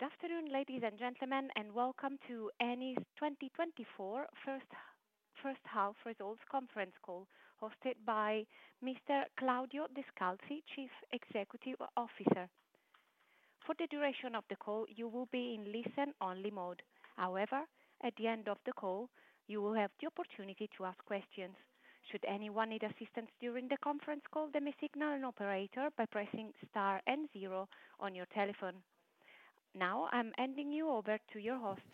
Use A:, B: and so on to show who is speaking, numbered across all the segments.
A: Good afternoon ladies and gentlemen and welcome to Eni's 2024 first half results conference call hosted by Mr. Claudio Descalzi, Chief Executive Officer. For the duration of the call you will be in listen only mode. However, at the end of the call you will have the opportunity to ask questions. Should anyone need assistance during the conference call, they may signal an operator by pressing star and 0 on your telephone. Now I'm handing you over to your hosts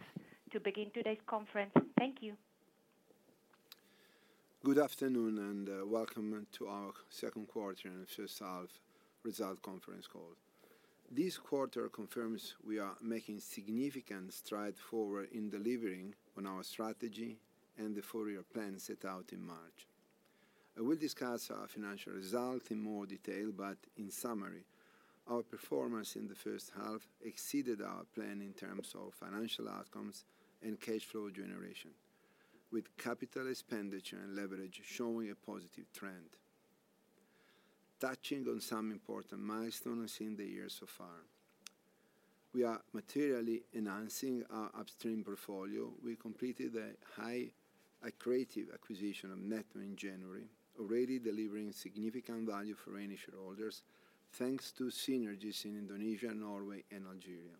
A: to begin today's conference. Thank you.
B: Good afternoon and welcome to our second quarter and first-half results conference call. This quarter confirms we are making significant strides forward in delivering on our strategy and the four-year plan set out in March. I will discuss our financial results in more detail, but in summary, our performance in the first-half exceeded our plan in terms of financial outcomes and cash flow generation, with capital expenditure and leverage showing a positive trend. Touching on some important milestones in the year so far, we are materially enhancing our upstream portfolio. We completed a high accretive acquisition of Neptune in January, already delivering significant value for Eni shareholders thanks to synergies in Indonesia, Norway and Algeria.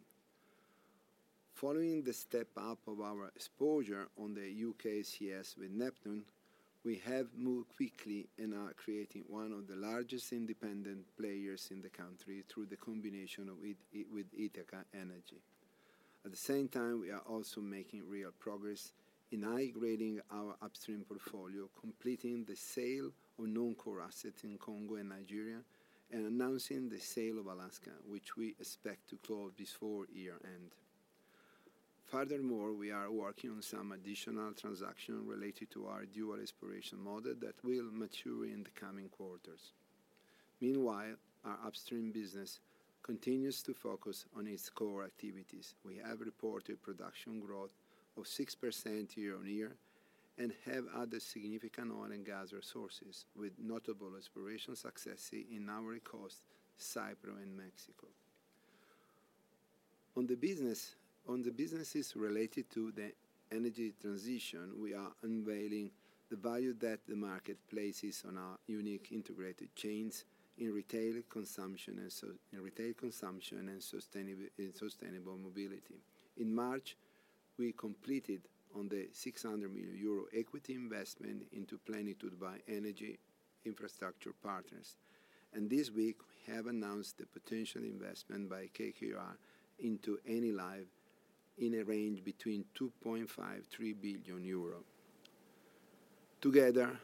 B: Following the step up of our exposure on the UKCS with Neptune, we have moved quickly and are creating one of the largest independent players in the country through the combination with Ithaca Energy. At the same time we are also making real progress in high grading our upstream portfolio, completing the sale of non-core assets in Congo and Nigeria and announcing the sale of Alaska which we expect to close before year-end. Furthermore, we are working on some additional transactions related to our dual exploration model that will mature in the coming quarters. Meanwhile, our upstream business continues to focus on its core activities. We have reported production growth of 6% year-on-year and have added significant oil and gas resources with notable exploration successes in Ivory Coast, Cyprus and Mexico. On the businesses related to the energy transition, we are unveiling the value that the market places on our unique integrated chains in retail consumption and sustainable mobility. In March we completed the 600 million euro equity investment into Plenitude by Energy Infrastructure Partners and this week have announced the potential investment by KKR into Enilive in a range between 2 to 3 billion. Together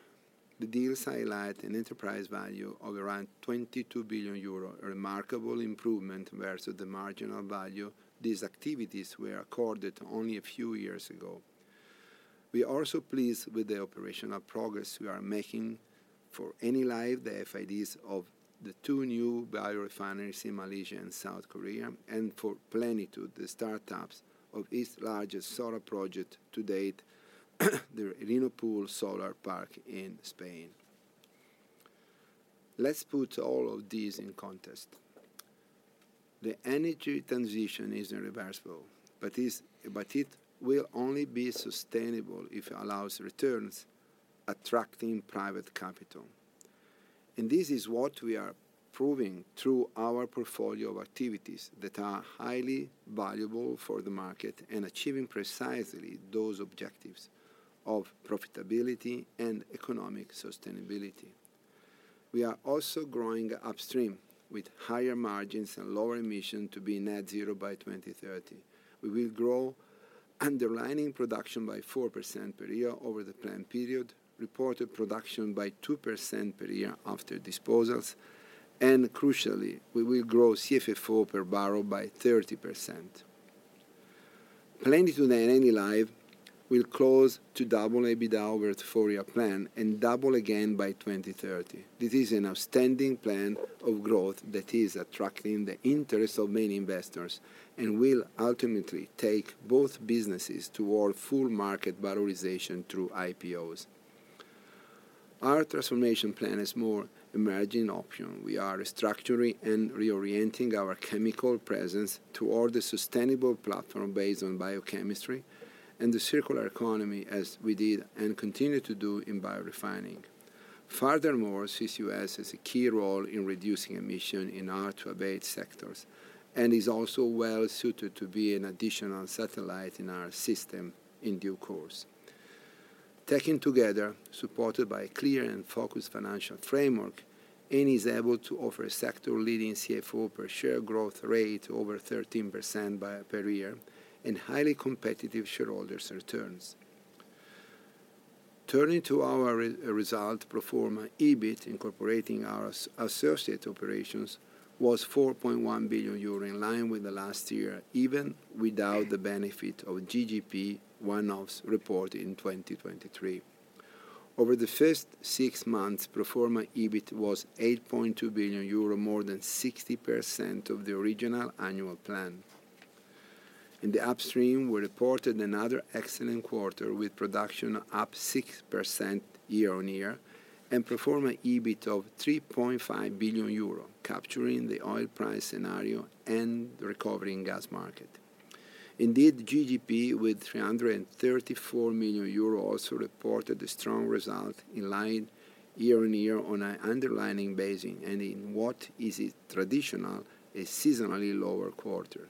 B: the deals highlight an enterprise value of around 22 billion euro, a remarkable improvement versus the marginal value these activities were accorded only a few years ago. We are also pleased with the operational progress we are making for Enilive, the FIDs of the two new biorefineries in Malaysia and South Korea and for Plenitude, the startups of its largest solar project to date, the Renopool solar park in Spain. Let's put all of these in context. The energy transition is irreversible, but it will only be sustainable if it allows returns attracting private capital and this is what we are proving through our portfolio of activities that are highly valuable for the market and achieving precisely those objectives of profitability and economic sustainability. We are also growing upstream with higher margins and lower emissions to be net zero by 2030. We will grow underlying production by 4% per year over the planned period, reported production by 2% per year after disposals and crucially we will grow CFFO per barrel by 30%. Plenitude and Enilive will close to double EBITDA over the four-year plan and double again by 2030. This is an outstanding plan of growth that is attracting the interest of many investors and will ultimately take both businesses toward full market valorization through IPOs. Our transformation plan is more than an emerging option. We are restructuring and reorienting our chemical presence toward a sustainable platform based on biochemistry and the circular economy as we did and continue to do in biorefining. Furthermore, CCUS has a key role in reducing emissions in hard-to-abate sectors and is also well suited to be an additional satellite in our ecosystem. In due course, taken together supported by a clear and focused financial framework, Eni is able to offer sector-leading CFFO per share growth rate over 13% per year and highly competitive shareholder returns. Turning to our results, pro forma EBIT incorporating our associate operations was 4.1 billion euro in line with the last year even without the benefit of GGP offsets reported in 2023. Over the first six months pro forma EBIT was 8.2 billion euro more than 60% of the original annual plan. In the upstream we reported another excellent quarter with production up 6% year-over-year and pro forma EBITDA of 3.5 billion euro capturing the oil price scenario and the recovery in gas market. Indeed GGP with 334 million euro also reported a strong result in line year-over-year on an underlying basis and in what is a traditional seasonally lower quarter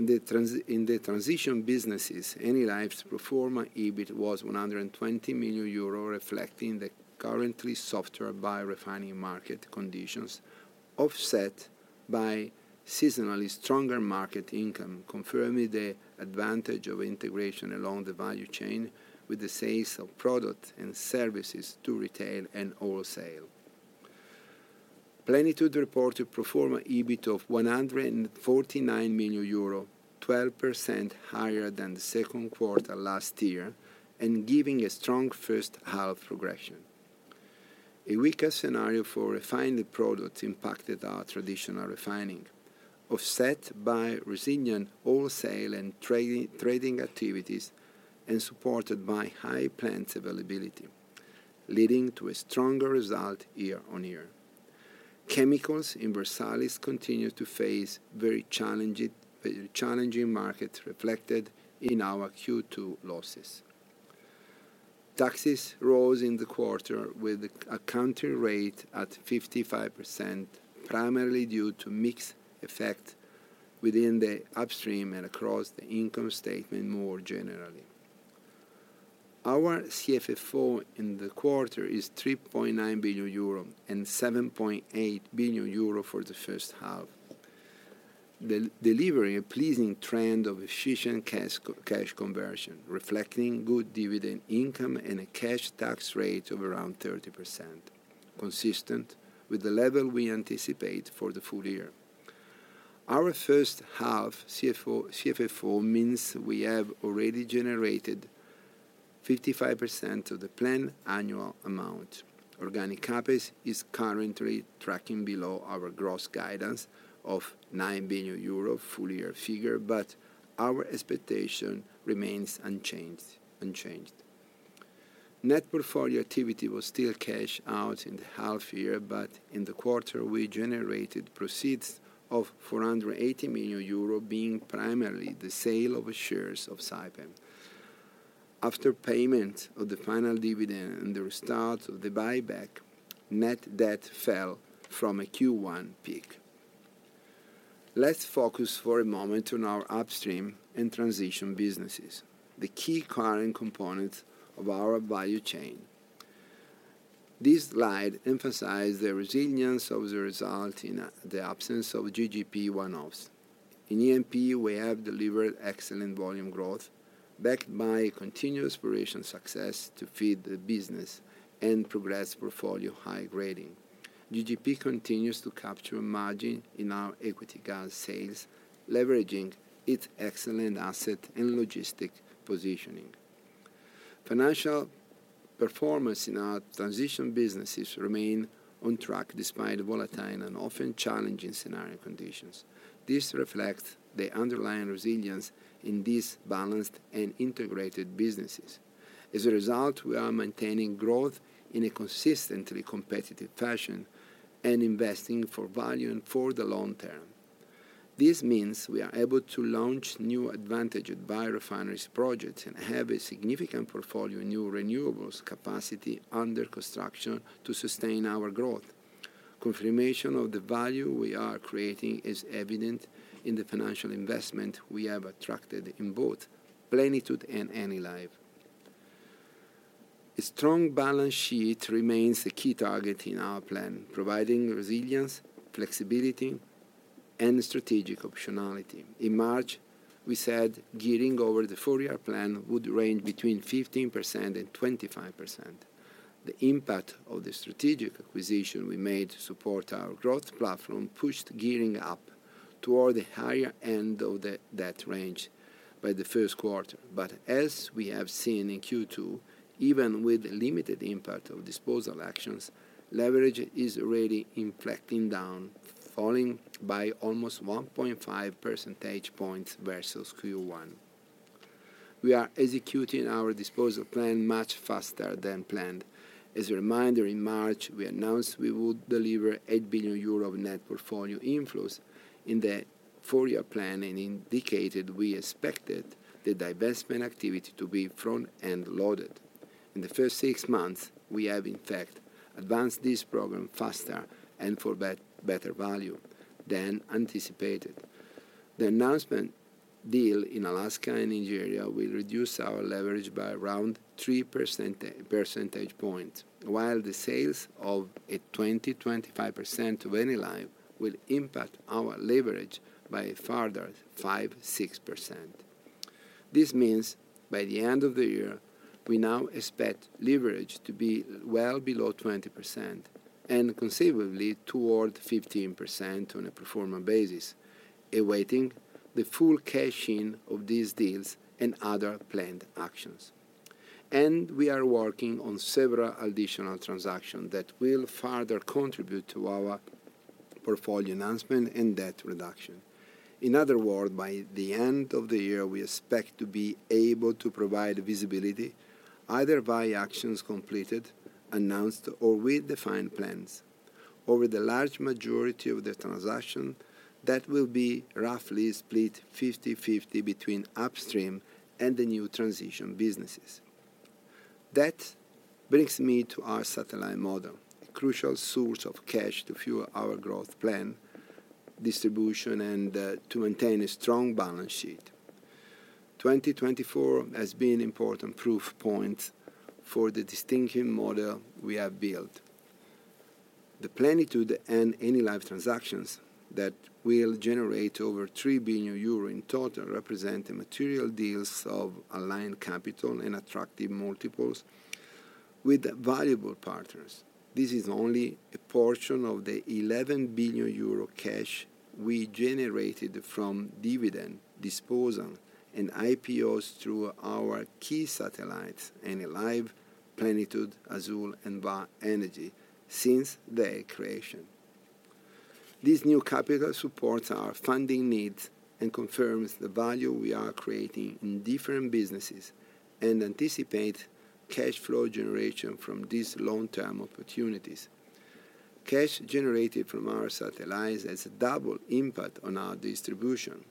B: in the transition businesses. Enilive's pro forma EBIT was 120 million euro reflecting the currently softer biorefining market conditions offset by seasonally stronger market income, confirming the advantage of integration along the value chain with the sales of products and services to retail and wholesale. Plenitude reported an EBIT of 149 million euro, 12% higher than the second quarter last year and giving a strong first half progression. A weaker scenario for refined products impacted our traditional refining, offset by resilient wholesale and trading activities and supported by high plants availability leading to a stronger result year-on-year. Chemicals in Versalis continue to face very challenging market reflected in our Q2 losses. Taxes rose in the quarter with a tax rate at 55% primarily due to mix effect within the upstream and across the income statement. More generally, our CFFO in the quarter is 3.9 billion euro and 7.8 billion euro for the first half, delivering a pleasing trend of efficient cash conversion reflecting good dividend income and a cash tax rate of around 30% consistent with the level we anticipate for the full year. Our first half CFFO means we have already generated 55% of the planned annual amount. Organic CapEx is currently tracking below our gross guidance of 9 billion euro full year figure, but our expectation remains unchanged. Net portfolio activity was still cashed out in the half year but in the quarter we generated proceeds of 480 million euro being primarily the sale of shares of Saipem after payment of the final dividend and the restart of the buyback. Net debt fell from a Q1 peak. Let's focus for a moment on our upstream and transition businesses, the key current components of our value chain. This slide emphasizes the resilience of the result in the absence of GGP write-offs in E&P we have delivered excellent volume growth backed by continuous operation success to feed the business and progress portfolio. High grading GGP continues to capture margin in our equity gas sales leveraging its excellent asset and logistic positioning. Financial performance in our transition businesses remain on track despite volatile and often challenging scenario conditions. This reflects the underlying resilience in these balanced and integrated businesses. As a result, we are maintaining growth in a consistently competitive fashion and investing for value and for the long term. This means we are able to launch new advantaged biorefineries projects and have a significant portfolio in new renewables capacity under construction to sustain our growth. Confirmation of the value we are creating is evident in the financial investment we have attracted in both Plenitude and Enilive. A strong balance sheet remains a key target in our plan providing resilience, flexibility and strategic optionality. In March we said gearing over the four-year plan would range between 15% and 25%. The impact of the strategic acquisition we made to support our growth platform pushed gearing up toward the higher end of the debt range by the first quarter. But as we have seen in Q2, even with limited impact of disposal actions, leverage is already inflecting down, falling by almost 1.5 percentage points versus Q1. We are executing our disposal plan much faster than planned. As a reminder, in March we announced we would deliver 8 billion euro of net portfolio inflows in the four-year plan and indicated we expected the divestment activity to be front-end loaded in the first six months. We have in fact advanced this program faster and for better value than anticipated. The announced deals in Angola and Nigeria will reduce our leverage by around 3 percentage points while the sale of a 20% to 25% stake in Enilive will impact our leverage by a further 5% to 6%. This means by the end of the year we now expect leverage to be well below 20% and conceivably toward 15% on a performance basis awaiting the full cash in of these deals and other planned actions. We are working on several additional transactions that will further contribute to our portfolio rationalization and debt reduction. In other words, by the end of the year we expect to be able to provide visibility either by actions completed announced or with defined plans over the large majority of the transactions that will be roughly split 50/50 between upstream and the new transition businesses. That brings me to our satellite model, a crucial source of cash to fuel our growth plan distribution and to maintain a strong balance sheet. 2024 has been important proof point for the distinctive model we have built. The Plenitude and Enilive transactions that will generate over 3 billion euro in total represent the material deals of aligned capital and attractive multiples with valuable partners. This is only a portion of the 11 billion euro cash we generated from dividend disposal and IPOs through our key satellites Enilive, Plenitude, Azule and Vår Energi since their creation. This new capital supports our funding needs and confirms the value we are creating in different businesses and anticipate cash flow generation from these long-term opportunities. Cash generated from our satellites has a double impact on our distribution,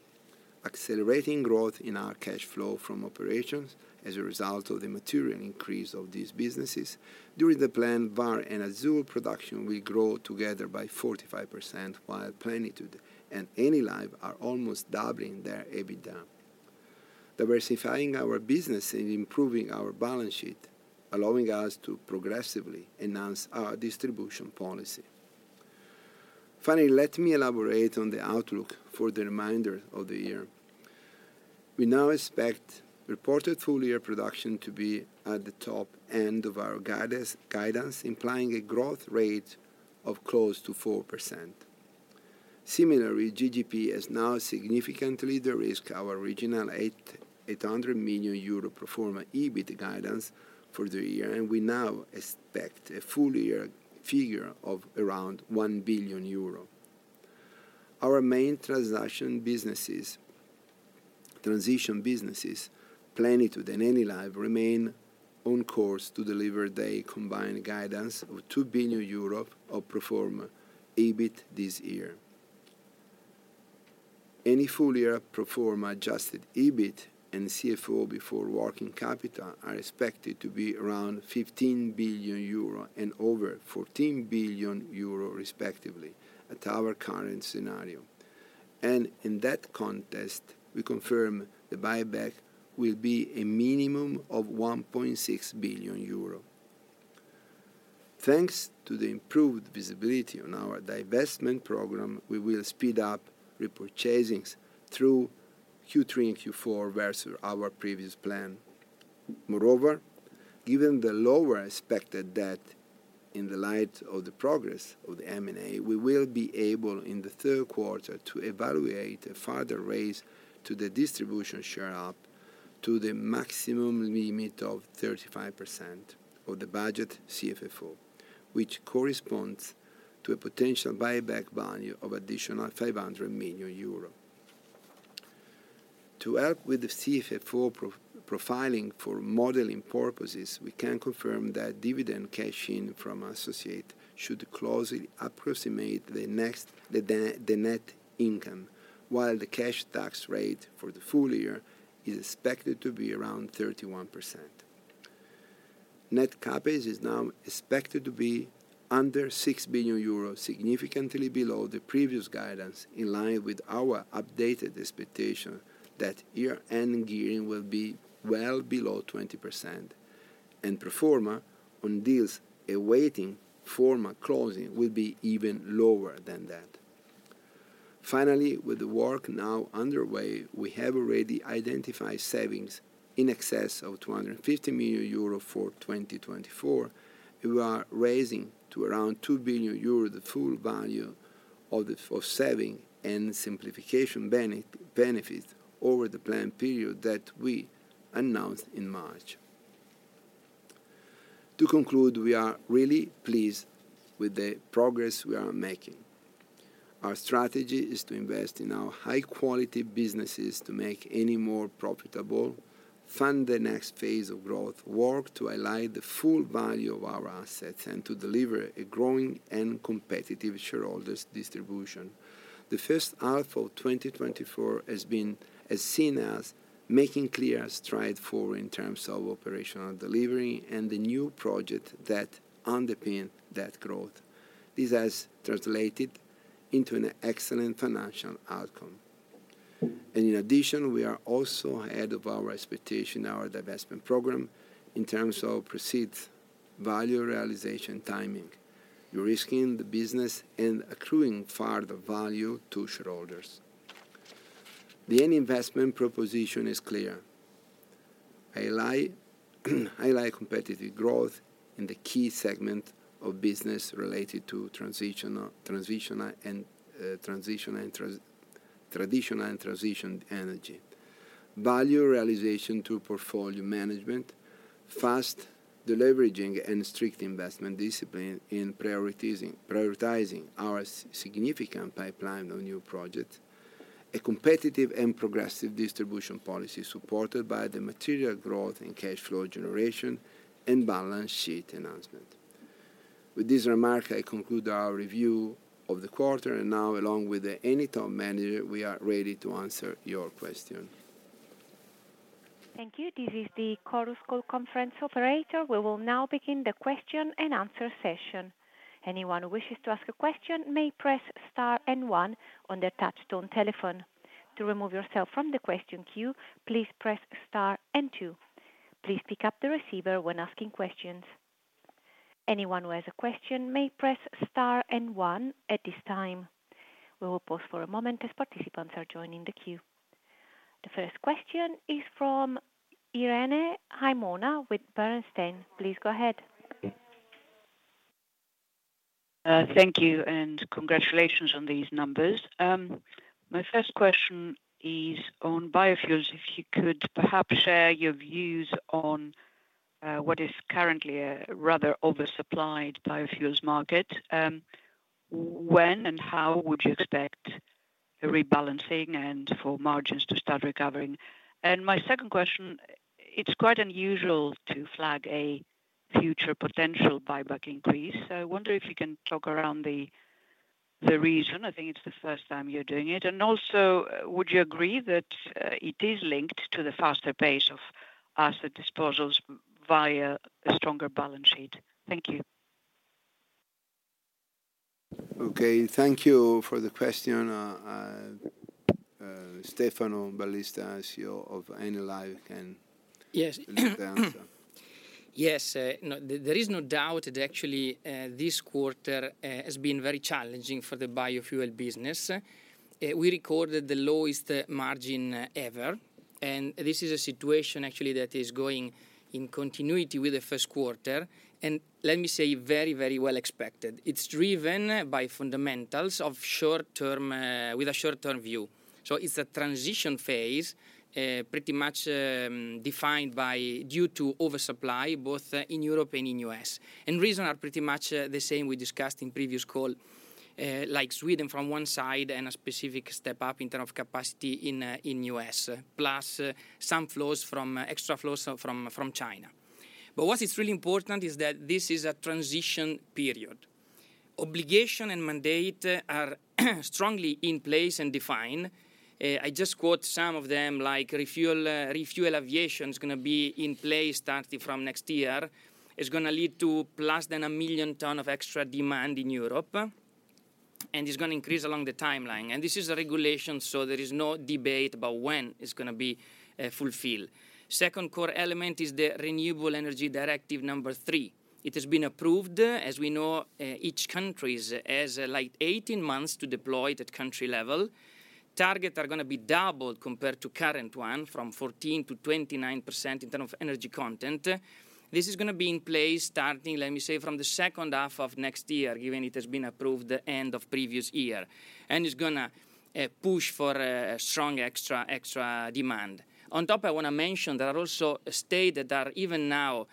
B: accelerating growth in our cash flow from operations. As a result of the material increase of these businesses during the plan, Vår Energi and Azule production will grow together by 45% while Plenitude and Enilive are almost doubling their EBITDA, diversifying our business and improving our balance sheet, allowing us to progressively enhance our distribution policy. Finally, let me elaborate on the outlook for the remainder of the year. We now expect reported full year production to be at the top end of our guidance implying a growth rate of close to 4%. Similarly, GGP has now significantly de-risked our regional 800 million euro pro forma EBIT guidance for the year and we now expect a full year figure of around 1 billion euro. Our main transition businesses Plenitude and Enilive remain on course to deliver the combined guidance of 2 billion euro pro forma EBIT this year. Eni's full year outlook for adjusted EBIT and CFFO before working capital are expected to be around 15 billion euro and over 14 billion euro respectively at our current scenario and in that context we could confirm the buyback will be a minimum of 1.6 billion euro. Thanks to the improved visibility on our divestment program, we will speed up repurchases through Q3 and Q4 versus our previous plan. Moreover, given the lower expected debt in the light of the progress of the M&A, we will be able in the third quarter to evaluate a further raise to the distribution share up to the maximum limit of 35% of the budgeted CFFO, which corresponds to a potential buyback value of additional 500 million euro. To help with the CFFO profiling for modeling purposes, we can confirm that dividend cash in from associates should closely approximate the net income. While the cash tax rate for the full year is expected to be around 31%, net CapEx is now expected to be under 6 billion euros, significantly below the previous guidance. In line with our updated expectation that year end gearing will be well below 20% and pro forma on deals awaiting formal closing will be even lower than that. Finally, with the work now underway, we have already identified savings in excess of 250 million euro for 2024. We are raising to around 2 billion euro the full value of savings and simplification benefits over the planned period that we announced in March. To conclude, we are really pleased with the progress we are making. Our strategy is to invest in our high-quality businesses to make Eni more profitable, fund the next phase of growth, work to highlight the full value of our assets, and to deliver a growing and competitive shareholder distribution. The first-half of 2024 has been, as we've seen, making clear strides forward in terms of operational delivery and the new projects that underpin that growth. This has translated into an excellent financial outcome, and in addition, we are also ahead of our expectations. Our divestment program in terms of proceeds, value realization, timing, de-risking the business, and accruing further value to shareholders. The Eni investment proposition is clear: highlight competitive growth in the key segments of business related to traditional and transition energy value realization through performant portfolio management, fast deleveraging, and strict investment discipline in prioritizing our significant pipeline of new projects. A competitive and progressive distribution policy supported by the material growth in cash flow generation and balance sheet announcement. With this remark, I conclude our review of the quarter. And now, along with Eni top management, we are ready to answer your question.
A: Thank you. This is the Chorus Call conference operator. We will now begin the question and answer session. Anyone who wishes to ask a question may press star and on on their touchtone telephone. To remove yourself from the question queue, please press star and two. Please pick up the receiver when asking questions. Anyone who has a question may press star and one. At this time we will pause for a moment as participants are joining the queue. The first question is from Irene Himona with Bernstein. Please go ahead.
C: Thank you and congratulations on these numbers. My first question is on biofuels. If you could perhaps share your views on what is currently a rather oversupplied biofuels market. When and how would you expect rebalancing and for margins to start recovering? And my second question, it's quite unusual to flag a future potential buyback increase. I wonder if you can talk around the reason. I think it's the first time you're doing it. Also would you agree that it is linked to the faster pace of asset disposals via stronger balance sheet? Thank you.
B: Okay, thank you for the question. Stefano Ballista, CEO of Enilive.
D: Yes, there is no doubt that actually this quarter has been very challenging for the biofuel business. We recorded the lowest margin ever and this is a situation actually that is going in continuity with the first quarter and let me say very, very well expected. It's driven by fundamentals of short term with a short term view. So it's a transition phase pretty much defined by due to oversupply both in Europe and in U.S. and reasons are pretty much the same. We discussed in previous call like Sweden from one side and a specific step up in terms of capacity in U.S. plus some flows from extra flows from China. But what is really important is that this is a transition period. Obligation and mandate are strongly in place and defined. I just quote some of them, like ReFuelEU Aviation is going to be in place starting from next year. It's going to lead to less than 1 million tons of extra demand in Europe and it's going to increase along the timeline. This is a regulation so there is no debate about when it's going to be fulfilled. Second core element is the Renewable Energy Directive III. It has been approved as we know each country has like 18 months to deploy. At country level targets are going to be doubled compared to current one from 14% to 29% in terms of energy content. This is going to be in place starting, let me say, from the second half of next year, given it has been approved the end of previous year and it's going to push for strong extra demand on top. I want to mention there are also states that are even now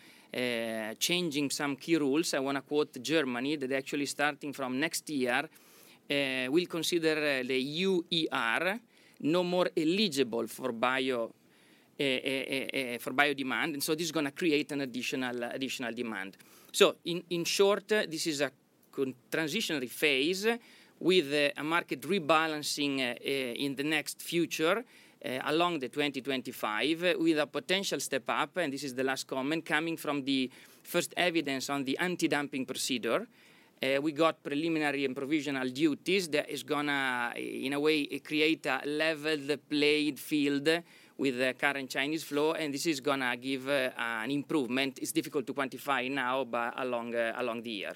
D: changing some key rules. I want to quote Germany that actually starting from next year will consider the UER no more eligible for biodemand. So this is going to create an additional demand. So in short, this is a transitionary phase with a market rebalancing in the next future along the 2025 with a potential step up. This is the last comment coming from the first evidence on the anti-dumping procedure. We got preliminary and provisional duties that is going to in a way create a level the playing field with the current Chinese flow. This is going to give an improvement. It's difficult to quantify now, but along the year.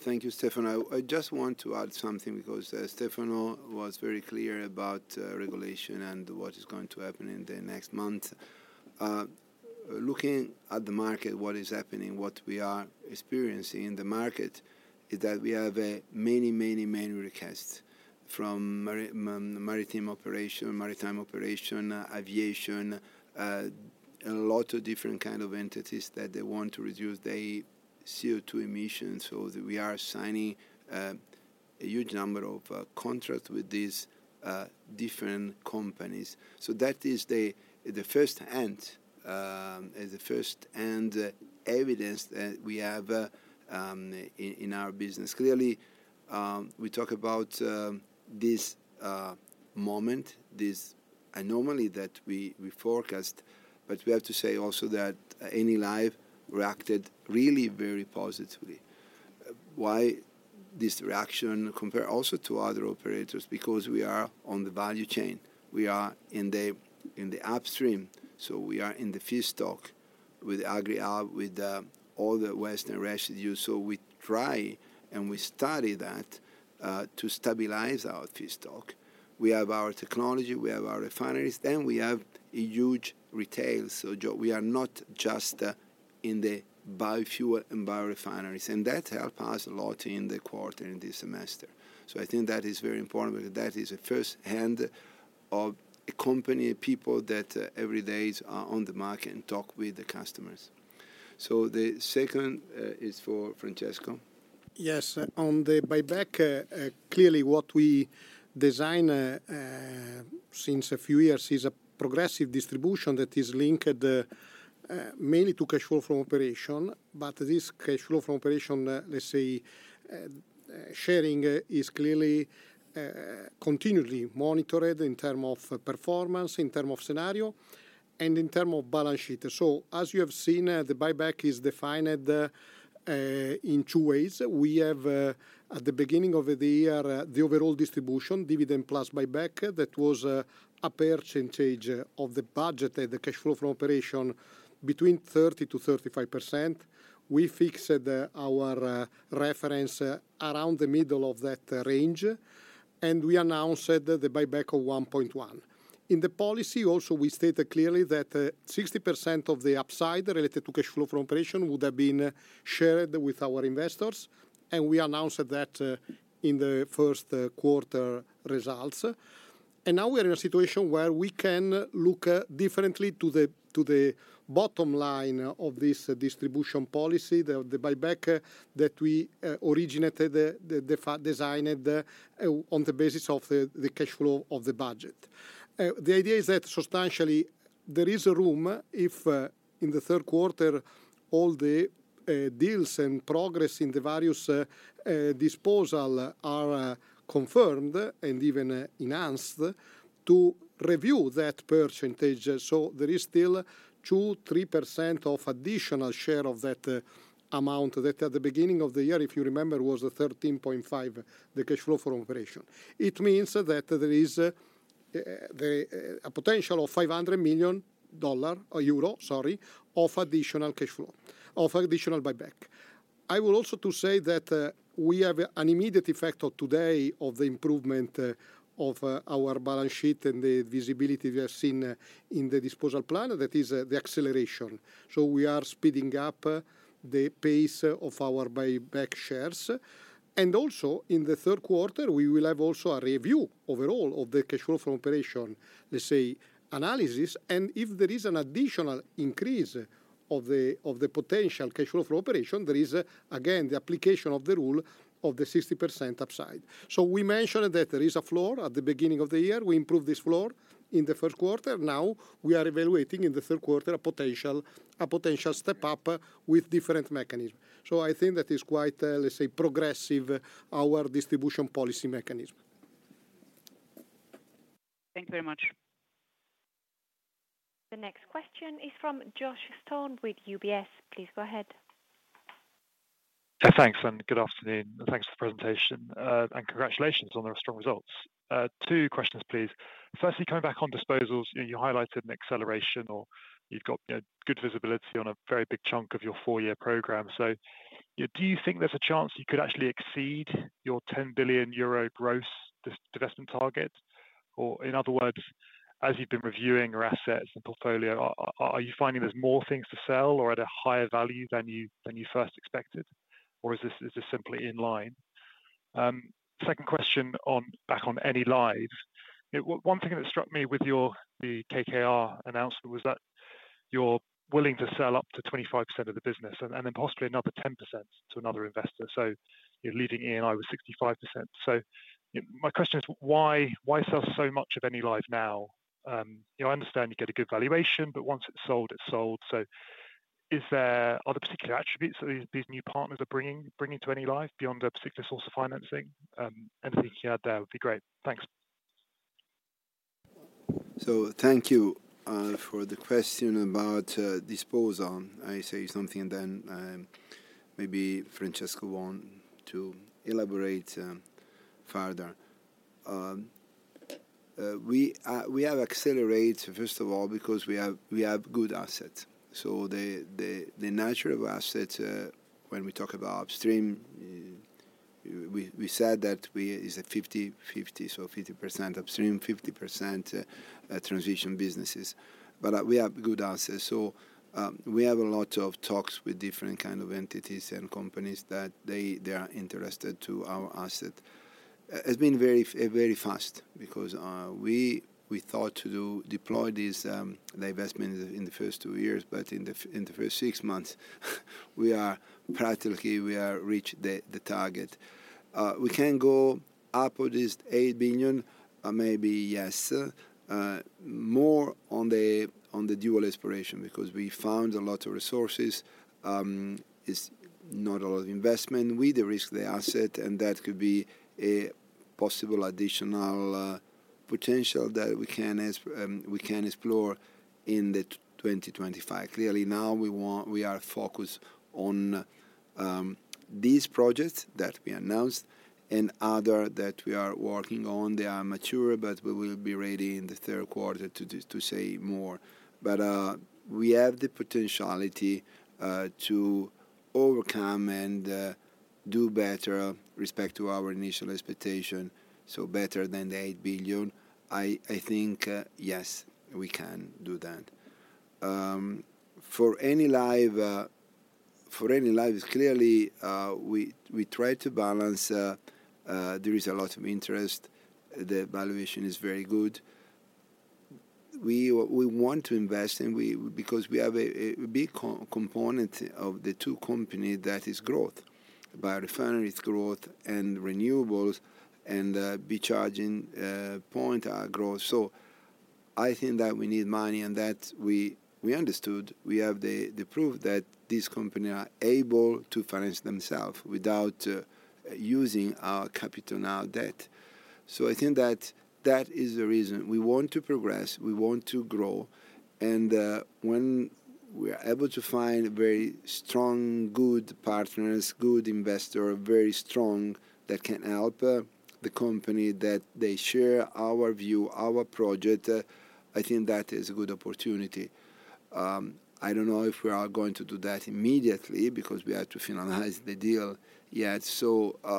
B: Thank you, Stefano. I just want to add something because Stefano was very clear about regulation and what is going to happen in the next month. Looking at the market, what is happening, what we are experiencing in the market is that we have many, many, many requests from maritime operation, maritime operation, aviation, a lot of different kind of entities that they want to reduce their CO2 emissions. So we are signing a huge number of contracts with these different companies. So that is the firsthand evidence that we have in our business. Clearly we talk about this moment, this anomaly that we forecast. But we have to say also that Enilive reacted really very positively. Why this reaction compare also to other operators? Because we are on the value chain, we are in the upstream, so we are in the feedstock with Agri-hub, with all the waste residues. So we try and we study that to stabilize our feedstock. We have our technology, we have our refineries, then we have huge retail. We are not just in the biofuel and biorefineries. And that helped us a lot in the quarter in this semester. So I think that is very important because that is a firsthand of a company people that every day are on the market and talk with the customers. So the second is for Francesco.
E: Yes, on the buyback. Clearly what we design since a few years is a progressive distribution that is linked mainly to cash flow from operations. But this cash flow from operations, let's say, sharing is clearly continually monitored in terms of performance, in terms of scenario, and in terms of balance sheet. So as you have seen, the buyback is defined in two ways. We have at the beginning of the year, the overall distribution dividend plus buyback that was a percentage of the budget. The cash flow from operations between 30% to 35%. We fixed our reference around the middle of that range and we announced the buyback of 1.1 billion in the policy. Also we stated clearly that 60% of the upside related to cash flow from operations would have been shared with our investors. And we announced that in the first quarter results. Now we are in a situation where we can look differently to the. To the bottom line of this distribution policy. The buyback that we originated designed on the basis of the cash flow of the budget. The idea is that substantially there is a room if in the third quarter all the deals and progress in the values disposal are confirmed and even enhanced to review that percentage. So there is still 2.3% of additional share of that amount that at the beginning of the year, if you remember, was 13.5 the cash flow from operation. It means that there is a potential of EUR 500 million, sorry, of additional cash flow for additional buyback. I would also like to say that we have an immediate effect today of the improvement of our balance sheet and the visibility we have seen in the disposal plan, that is the acceleration. So we are speeding up the pace of our share buyback. And also in the third quarter we will have a review overall of the cash flow from operations, let's say analysis and if there is an additional increase of the potential cash flow from operations, there is again the application of the rule of the 60% upside. So we mentioned that there is a floor at the beginning of the year. We improved this floor in the first quarter. Now we are evaluating in the third quarter a potential step up with different mechanisms. So I think that is quite, let's say, progressive our distribution policy mechanism.
A: Thank you very much. The next question is from Josh Stone with UBS. Please go ahead.
F: Thanks and good afternoon. Thanks for the presentation and congratulations on their strong results. Two questions, please. Firstly, coming back on disposals, you highlighted an acceleration or you've got good visibility on a very big chunk of your four-year program. Do you think there's a chance you could actually exceed your 10 billion euro gross divestment target? Or, in other words, as you've been reviewing your assets and portfolio, are you finding there's more things to sell or at a higher value than you first expected? Or is this simply in line? Second question back on Enilive. One thing that struck me with the KKR announcement was that you're willing to sell up to 25% of the business and then possibly another 10% to another investor. So leaving Eni with 65%. So my question is why sell so much of Enilive? Now I understand you get a good valuation, but once it's sold, it's sold. So are there particular attributes that these new partners are bringing to Enilive beyond a particular source of financing? Anything you can add there would be great. Thanks.
B: So thank you for the question about disposal. I say something then maybe Francesco want to elaborate further? We have accelerate first of all because we have good assets. So the nature of assets. When we talk about upstream, we said that is a 50/50. So 50% upstream, 50% transition businesses. But we have good answers. So we have a lot of talks with different kind of entities and companies that they are interested to our asset. It's been very, very fast because we thought to deploy these divestments in the first two years. But in the first six months we are practically reaching the target. We can go up at least 8 billion. Maybe yes more on the dual aspiration because we found a lot of resources. It's not a lot of investment. We de-risk the asset and that could be a possible additional potential that we can explore in 2025. Clearly now we are focused on these projects that we announced and other that we are working on. They are mature but we will be ready in the third quarter to say more. But we have the potentiality to overcome and do better respect to our initial expectation. So better than the 8 billion. I think yes, we can do that for Enilive. For Enilive is clearly we try to balance. There is a lot of interest. The valuation is very good. We want to invest because we have a big component of the two companies that is growth by biorefining its growth and renewables and EV charging point growth. So I think that we need money and that we understood we have the proof that these companies are able to finance themselves without using our capital now debt. So I think that that is the reason we want to progress. We want to grow. And when we are able to find very strong good partners, good investors, very strong that can help the company that they share our view, our project. I think that is a good opportunity. I don't know if we are going to do that immediately because we have to finalize the deal yet.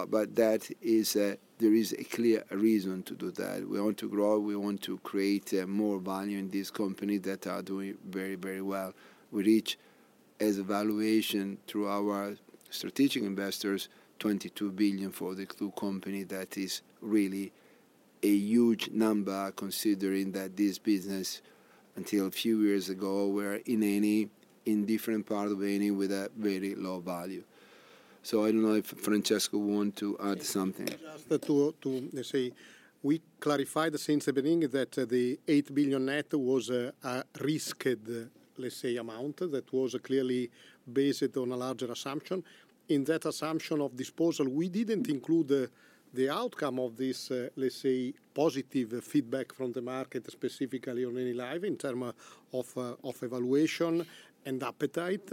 B: But that is there is a clear reason to do that. We want to grow, we want to create more value in these companies that are doing very, very well. We reach as a valuation through our strategic investors. 22 billion for the company. That is really a huge number considering that this business until a few years ago were in an indifferent part of Eni with a very low value. So I don't know if Francesco want. To add something
E: To say. We clarified since the beginning that the 8 billion net was risked, let's say amount that was clearly based on a larger assumption. In that assumption of disposal we didn't include the outcome of this, let's say positive feedback from the market specifically on Enilive in terms of valuation and appetite.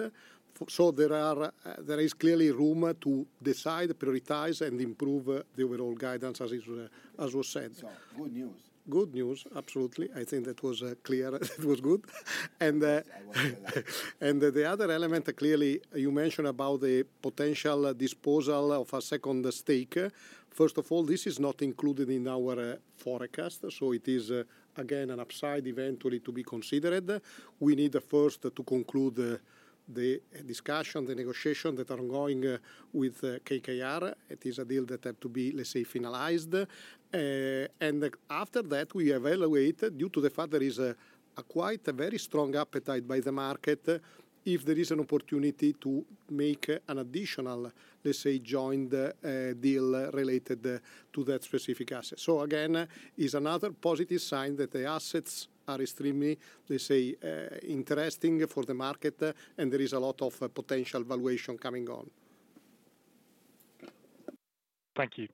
E: So there is clearly room to decide, prioritize and improve the overall guidance as is real as was said, good news, good news, absolutely. I think that was clear. It was good. And the other element clearly you mentioned about the potential disposal of a second stake. First of all, this is not included in our forecast. So it is again an upside eventually to be considered. We need first to conclude the discussion the negotiations that are ongoing with KKR. It is a deal that had to be, let's say, finalized and after that we evaluate due to the fact there is quite a very strong appetite by the market if there is an opportunity to make an additional, let's say, joined deal related to that specific asset. So again is another positive sign that the assets are extremely, they say, interesting for the market and there is a lot of potential valuation coming on.
F: Thank you.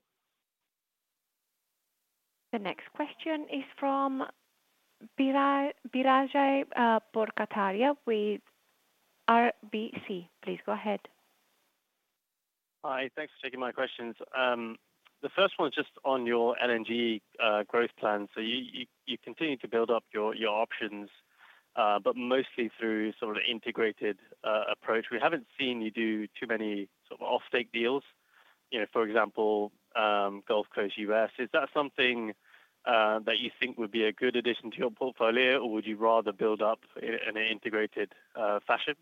A: The next question is from Biraj Borkhataria with RBC. Please go ahead.
G: Hi, thanks for taking my questions. The first one is just on your LNG growth plan. So you continue to build up your options but mostly through sort of integrated approach. We haven't seen you do too many sort of offtake deals, for example, Gulf Coast US. Is that something that you think would be a good addition to your portfolio or would you rather build up an integrated fashion?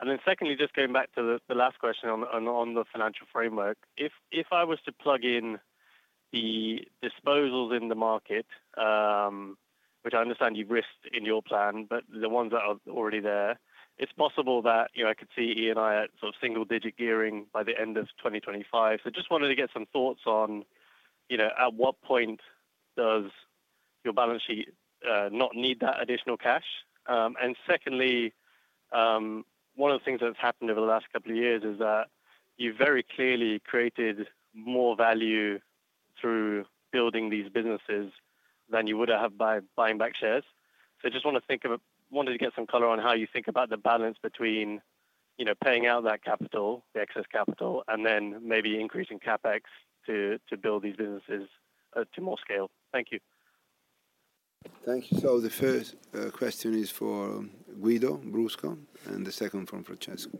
G: And then secondly, just going back to the last question on the financial framework, if I was to plug in the disposals in the market which I understand you've risked in your plan, but the ones that are already there, it's possible that I could see Eni at single-digit gearing by the end of 2025. So just wanted to get some thoughts on, you know, at what point does your balance sheet not need that additional cash? And secondly, one of the things that's happened over the last couple of years is that you very clearly created more value through building these businesses than you would have by buying back shares. So wanted to get some color on how you think about the balance between, you know, paying out that capital, the excess capital, and then maybe increasing CapEx to build these businesses to more scale. Thank you.
B: Thank you. The first question is for Guido Brusco and the second from Francesco.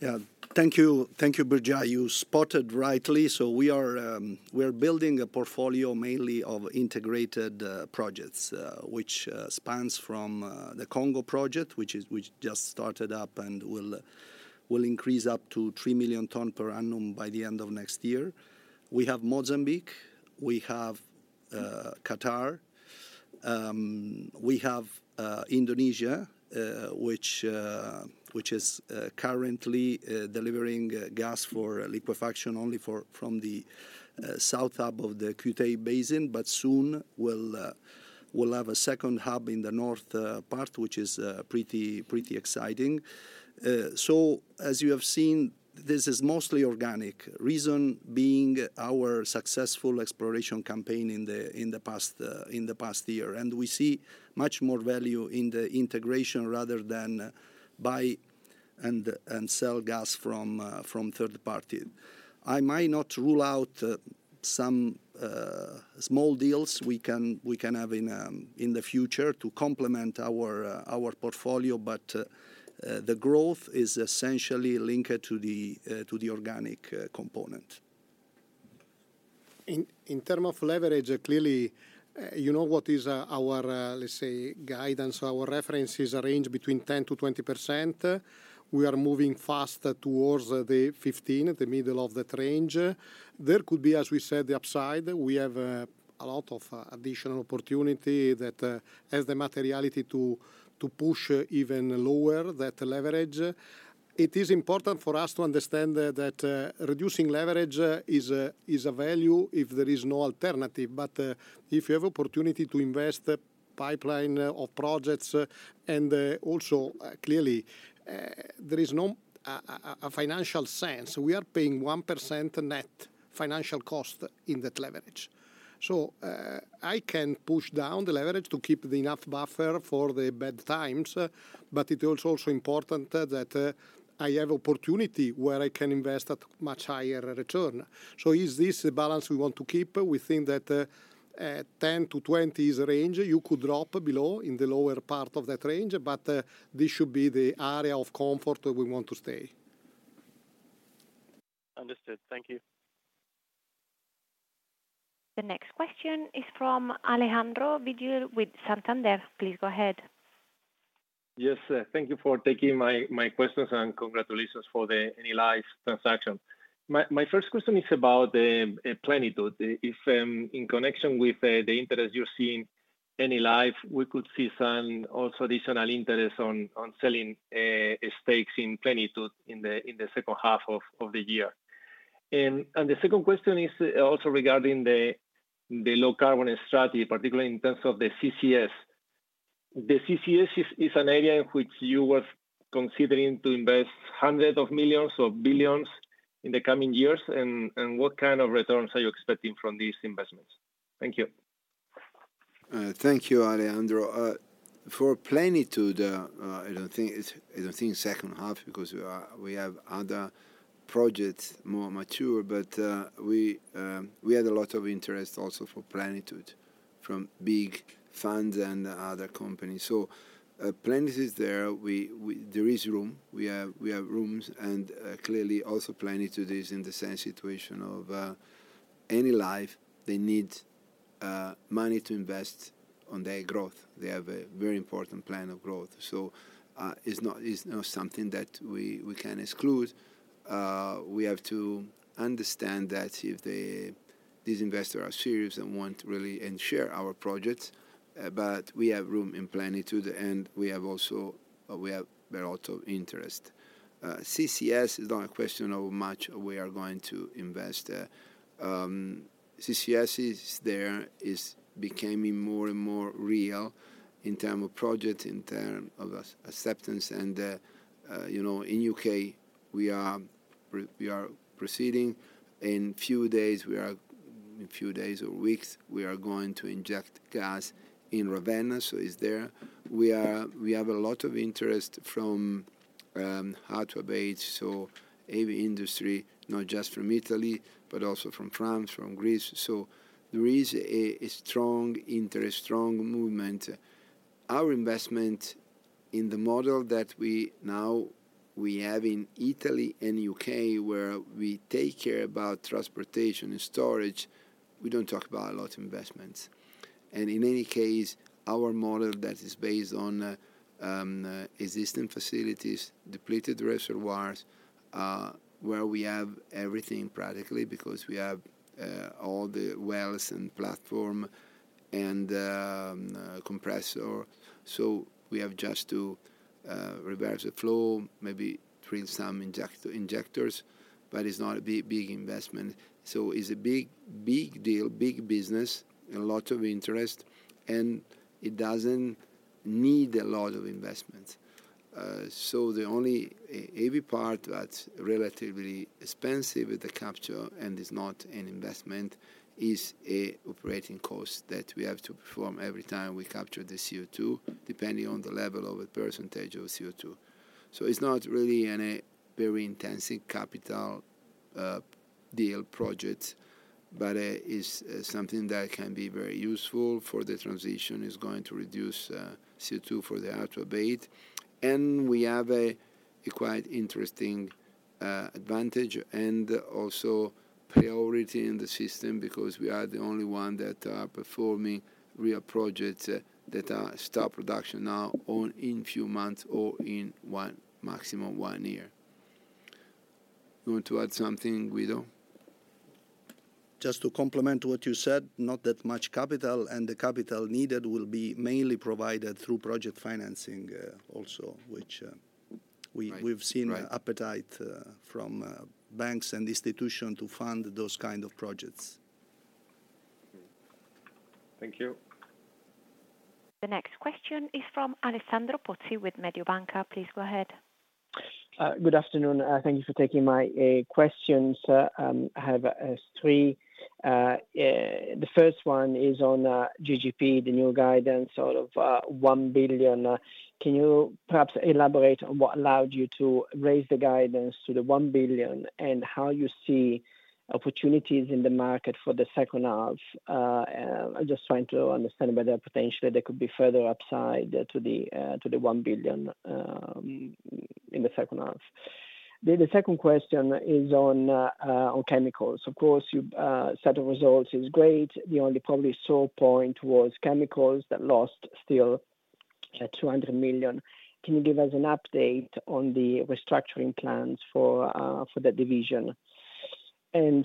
H: Yeah, thank you. Thank you, Biraj. You spotted rightly so we are building a portfolio mainly of integrated projects which spans from the Congo project, which just started up and will increase up to 3 million tons per annum by the end of next year. We have Mozambique, we have Qatar. We have in Indonesia, which is currently delivering gas for liquefaction only from the south hub of the Kutei Basin. But soon we'll have a second hub in the north part, which is pretty exciting. So, as you have seen, this is mostly organic. Reason being our successful exploration campaign in the past, in the past year. And we see much more value in the integration rather than buy and sell gas from third party. I might not rule out some small deals we can have in the future to complement our portfolio. But the growth is essentially linked to the organic component.
E: In terms of leverage, clearly you know what is our, let's say, guidance. Our reference is a range between 10% to 20%. We are moving fast towards the 15%. At the middle of that range, there could be, as we said, the upside that we have a lot of additional opportunity that has the materiality to push even lower that leverage. It is important for us to understand that reducing leverage is a value if there is no alternative. But if you have opportunity to invest the pipeline of projects and also clearly there is no financial sense, we are paying 1% net financial cost in that leverage. So I can push down the leverage to keep enough buffer for the bad times. But it's also important that I have opportunity where I can invest at much higher return. So, is this the balance we want to keep within that 10 to 20 range? You could drop below in the lower part of that range. But this should be the area of comfort we want to stay.
G: Understood, thank you.
A: The next question is from Alejandro Vigil with Santander. Please go ahead.
I: Yes, thank you for taking my questions and congratulations for the Enilive transaction. My first question is about Plenitude. If in connection with the interest you're seeing Enilive, we could see also additional interest on selling stakes in Plenitude in the second half of the year. The second question is also regarding the low carbon strategy, particularly in terms of the CCS. The CCS is an area in which you were considering to invest hundreds of millions or billions in the coming years. And what kind of returns are you expecting from these investments? Thank you.
B: Thank you, Alejandro. For Plenitude, I don't think second half, because we have other projects more mature. But we had a lot of interest also for Plenitude from big funds and other companies. So Plenitude is there, there is room, we have rooms. And clearly also Plenitude is in the same situation of Enilive. They need money to invest on their growth. They have a very important plan of growth. So it's not something that we can exclude. We have to understand that if these investors are serious and want really and share our projects. But we have room in Plenitude and we have also we have interest. CCS is not a question of much. We are going to invest CCS. There is becoming more and more real in terms of projects, in terms of acceptance. And you know, in the U.K. we are proceeding in few days, we are in few days or weeks we are going to inject gas in Ravenna. So it's there we have a lot of interest from how to abate so AV industry, not just from Italy, but also from France, from Greece. So there is a strong interest, strong movement. Our investment in the model that we now we have in Italy and U.K. where we take care about transportation and storage. We don't talk about a lot of investments. And in any case our model that is based on existing facilities, depleted reservoirs, where we have everything practically because we have all the wells and platforms and compressor, so we have just to reverse the flow, maybe drill some injectors. But it's not a big investment. So it's a big, big deal, big business, a lot of interest, and it doesn't need a lot of investments. So the only heavy part that's relatively expensive is the capture, and is not an investment; is an operating cost that we have to perform every time we capture the CO2, depending on the level of a percentage of CO2. So it's not really any very intensive capital deal project, but it's something that can be very useful for the transition; is going to reduce CO2 for the abatement. And we have a quite interesting advantage and also priority in the system because we are the only one that are performing real projects that are start production now in few months or in maximum one year. You want to add something, Guido?
H: Just to complement what you said, not that much capital and the capital needed will be mainly provided through project financing also which we've seen appetite from banks and institutions to fund those kind of projects.
I: Thank you.
A: The next question is from Alessandro Pozzi with Mediobanca. Please go ahead.
J: Good afternoon. Thank you for taking my questions. I have three. The first one is on GGP, the new guidance out of 1 billion. Can you perhaps, perhaps elaborate on what? allowed you to raise the guidance to the 1 billion and how you see opportunities in the market for the second half? I'm just trying to understand whether potentially there could be further upside to the 1 billion in the second half. The second question is on chemicals. Of course your set of results is great. The only probable sore point was chemicals that still lost 200 million. Can you give us an update on the restructuring plans for the division?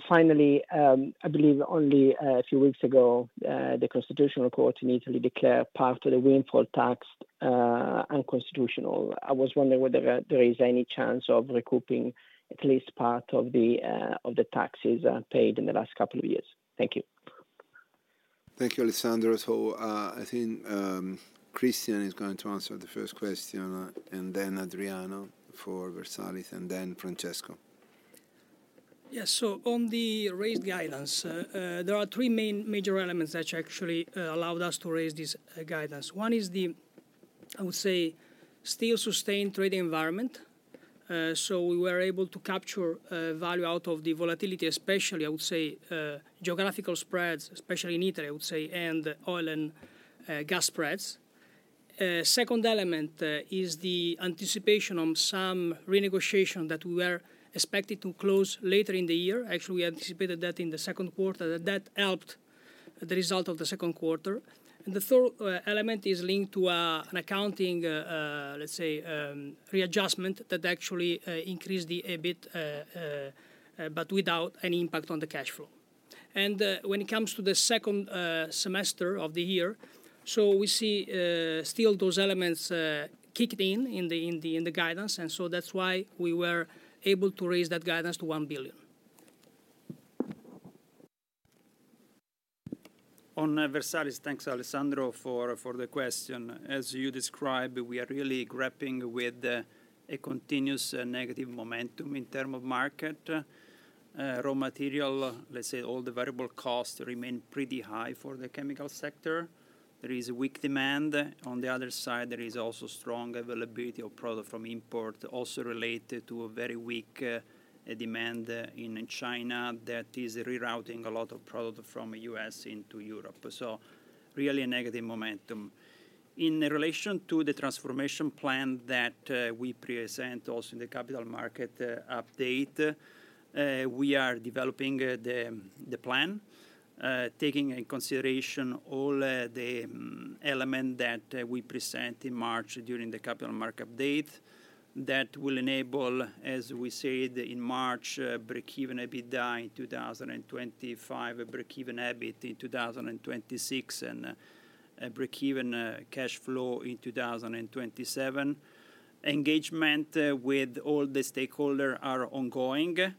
J: Finally, I believe only a few weeks ago the Constitutional Court in Italy declared part of the windfall tax unconstitutional. I was wondering whether there is any chance of recouping at least part of the taxes paid in the last couple of years? Thank you.
B: Thank you, Alessandro. So I think Cristian is going to answer the first question and then Adriano for Versalis and then Francesco.
K: Yes. So on the raised guidance, there are three main major elements that actually allowed us to raise this guidance. One is the, I would say, still sustained trading environment. So we were able to capture value out of the volatility, especially, I would say, geographical spreads, especially in Italy, I would say, and oil and gas spreads. Second element is the anticipation of some renegotiation that we are expected to close later in the year. Actually we anticipated that in the second quarter that helped the result of the second quarter. And the third element is linked to an accounting, let's say, readjustment to that actually increased the EBIT, but without any impact on the cash flow. And when it comes to the second semester of the year, so we see still those elements kicked in in the guidance. And so that's why we were able to raise that guidance to 1 billion.
L: On Versalis. Thanks Alessandro, for the question. As you described, we are really grappling with a continuous negative momentum in terms of market raw material. Let's say all the variable costs remain pretty high for the chemical sector. There is a weak demand on the other side. There is also strong availability of product from import, also related to a very weak demand in China that is rerouting. A lot of product from the U.S. into Europe. So really a negative momentum in relation. To the transformation plan that we present. Also in the capital market update, we are developing the plan taking into consideration all the elements that we present in March during the capital market update that will enable, as we said in March. Breakeven EBITDA 2025, break even EBIT in 2026 and a breakeven cash flow in 2027. Engagement with all the stakeholders are ongoing.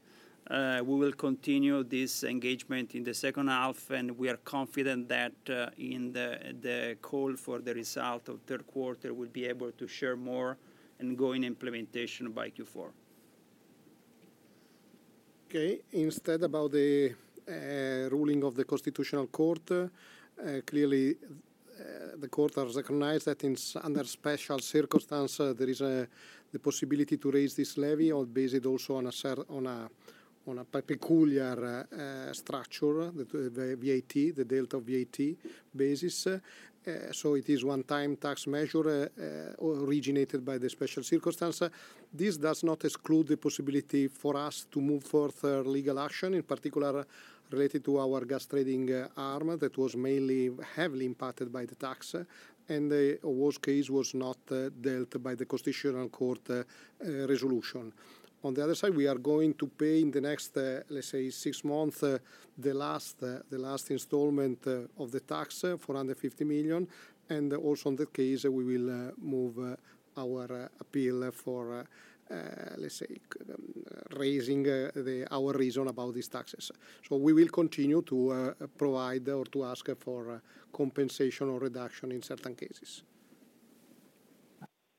L: We will continue this engagement in the. Second half and we are confident that. In the call for the result of third quarter, we'll be able to share. More ongoing implementation by Q4.
E: Okay. Instead, about the ruling of the Constitutional Court. Clearly the Court has recognized that under special circumstances there is the possibility to raise this levy or base it also on a peculiar structure, VAT, the delta of VAT basis. So it is one-time tax measure originated by the special circumstance. This does not exclude the possibility for us to move forth legal action in particular related to our gas trading arm that was mainly heavily impacted by the tax. And the worst case was not dealt by the Constitutional Court resolution. On the other side, we are going to pay in the next, let's say six months, the last installment of the tax for under 50 million. And also in that case, we will move our appeal for, let's say, raising our reason about these taxes. We will continue to provide or to ask for compensation or reduction in certain cases.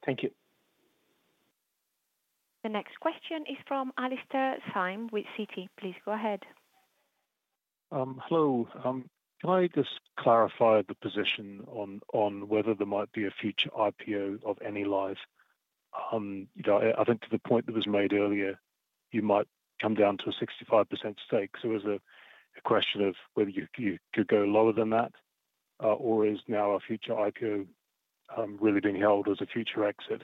J: Thank you.
A: The next question is from Alastair Syme with Citi. Please go ahead.
M: Hello. Can I just clarify the position on whether there might be a future IPO of Enilive? I think to the point that was made earlier, you might come down to a 65% stake. So it was a question of whether you could go lower than that. Or is now a future IPO really being held as a future exit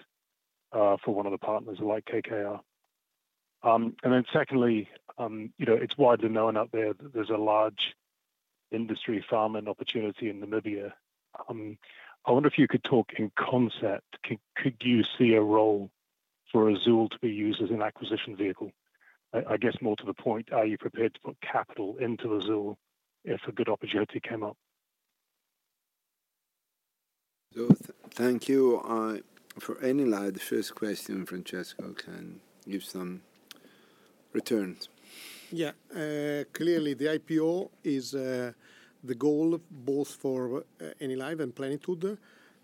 M: for one of the partners like KKR? And then secondly, it's widely known out there that there's a large farm-in opportunity in Namibia. I wonder if you could talk in concept, could you see a role for Azule to be used as an acquisition vehicle? I guess more to the point, are you prepared to put capital into Azule if a good opportunity came up?
B: Thank you for Enilive's first question. Francesco can give some remarks.
E: Yeah. Clearly the IPO is the goal both for Enilive and Plenitude.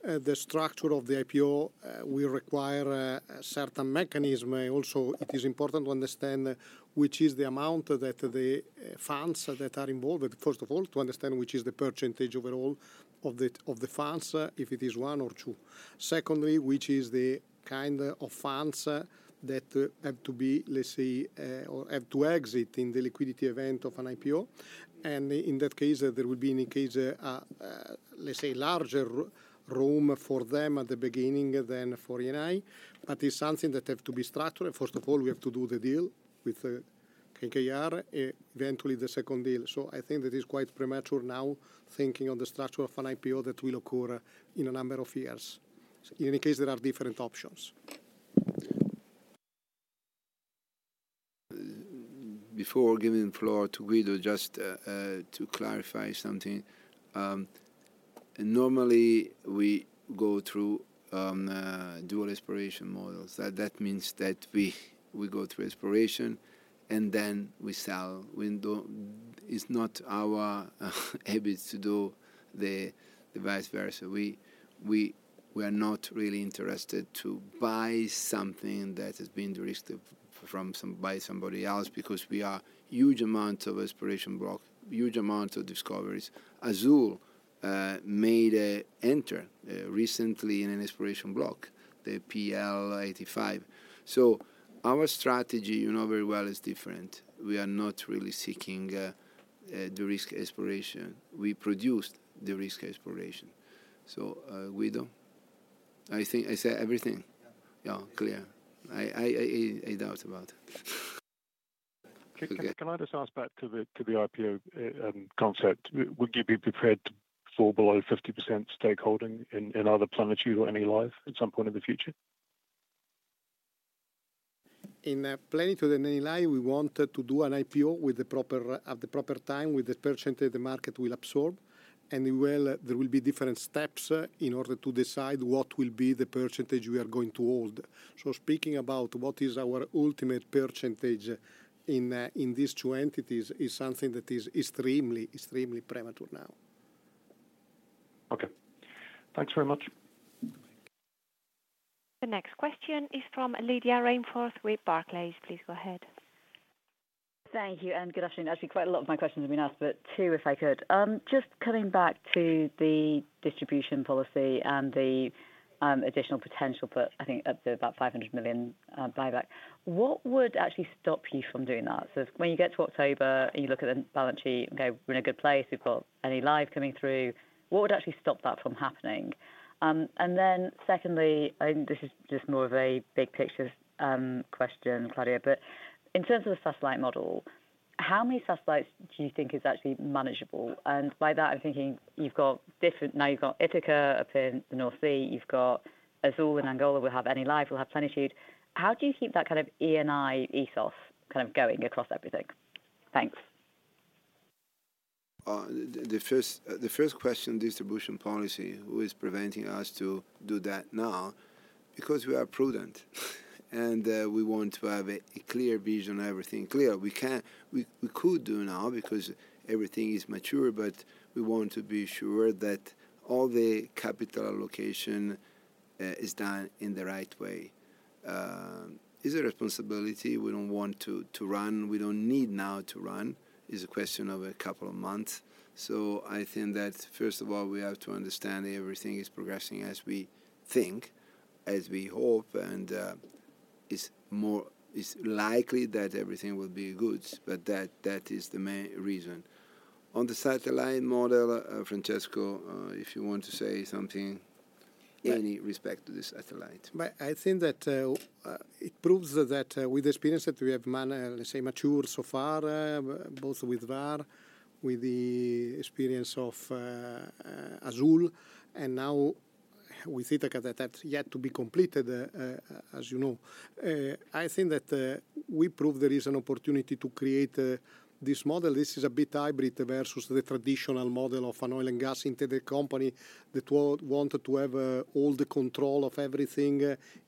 E: The structure of the IPO will require a certain mechanism. Also it is important to understand which is the amount that the funds that are involved, first of all, to understand which is the percentage overall of the funds, if it is one or two. Secondly, which is the kind of funds that have to be left, say, or have to exit in the liquidity event of an IPO. And in that case there will be in any case, let's say, larger room for them at the beginning than for Eni. But it's something that have to be structured. First of all, we have to do the deal with KKR eventually the second deal. So I think that is quite premature now thinking on the structure of an IPO that will occur in a number of years. In any case, there are different options.
B: Before giving the floor to Guido, just to clarify something. Normally we go through dual acquisition models. That means that we go through acquisition and then we sell. It's not our habit to do the vice versa. We are not really interested to buy something that has been discovered by somebody else. Because we are huge amounts of exploration block, huge amount of discoveries. Azule made an entry recently in an exploration block, the PEL 85. So our strategy, you know very well, is different. We are not really seeking the risk exploration. We produced the risk exploration. So Guido, I think I said everything. Yeah, clear. No doubt about it.
M: Can I just ask back to the IPO concept? Would you be prepared to fall below 50% stakeholding in either Plenitude or Enilive at some point in the future?
E: In planning to the Enilive, we want to do an IPO at the proper time with the percentage the market will absorb. There will be different steps in order to decide what will be the percentage we are going to hold. Speaking about what is our ultimate percentage in these two entities is something that is extremely, extremely premature now.
M: Okay, thanks very much.
A: The next question is from Lydia Rainforth with Barclays. Please go ahead.
N: Thank you and good afternoon. Actually, quite a lot of my questions have been asked, but two, if I could just coming back to the distribution policy and the additional potential put I think up to about 500 million buyback. What would actually stop you from doing that? So when you get to October, you look at the balance sheet. Okay, we're in a good place. We've got Enilive coming through. What would actually stop that from happening? And then secondly, this is just more of a big picture question, Claudio, but in terms of the satellite model, how many satellites do you think is actually manageable? And by that I'm thinking you've got different now. You've got Ithaca up in the North Sea. You've got Azule in Angola. Will have Enilive will have Plenitude. How do you keep that kind of Eni ethos kind of going across everything? Thanks.
B: The first question, distribution policy. Who is preventing us to do that now? Because we are prudent and we want to have a clear vision. Everything clear we can, we could do now because everything is mature. But we want to be sure that all the capital allocation is done in the right way is a responsibility. We don't want to run. We don't need now to run. It's a question of a couple of months. So I think that first of all we have to understand everything is progressing as we think, as we hope. And it's likely that everything will be good. But that is the main reason on the satellite model. Francesco, if you want to say something, any respect to this satellite,
E: I think that it proves that with the experience that we have, let's say, mature so far, both with Vår, with the experience of Azule and now with Ithaca, that's yet to be completed, as you know. I think that we prove there is an opportunity to create this model. This is a bit hybrid versus the traditional model of an oil and gas interaction. The company that wanted to have all the control of everything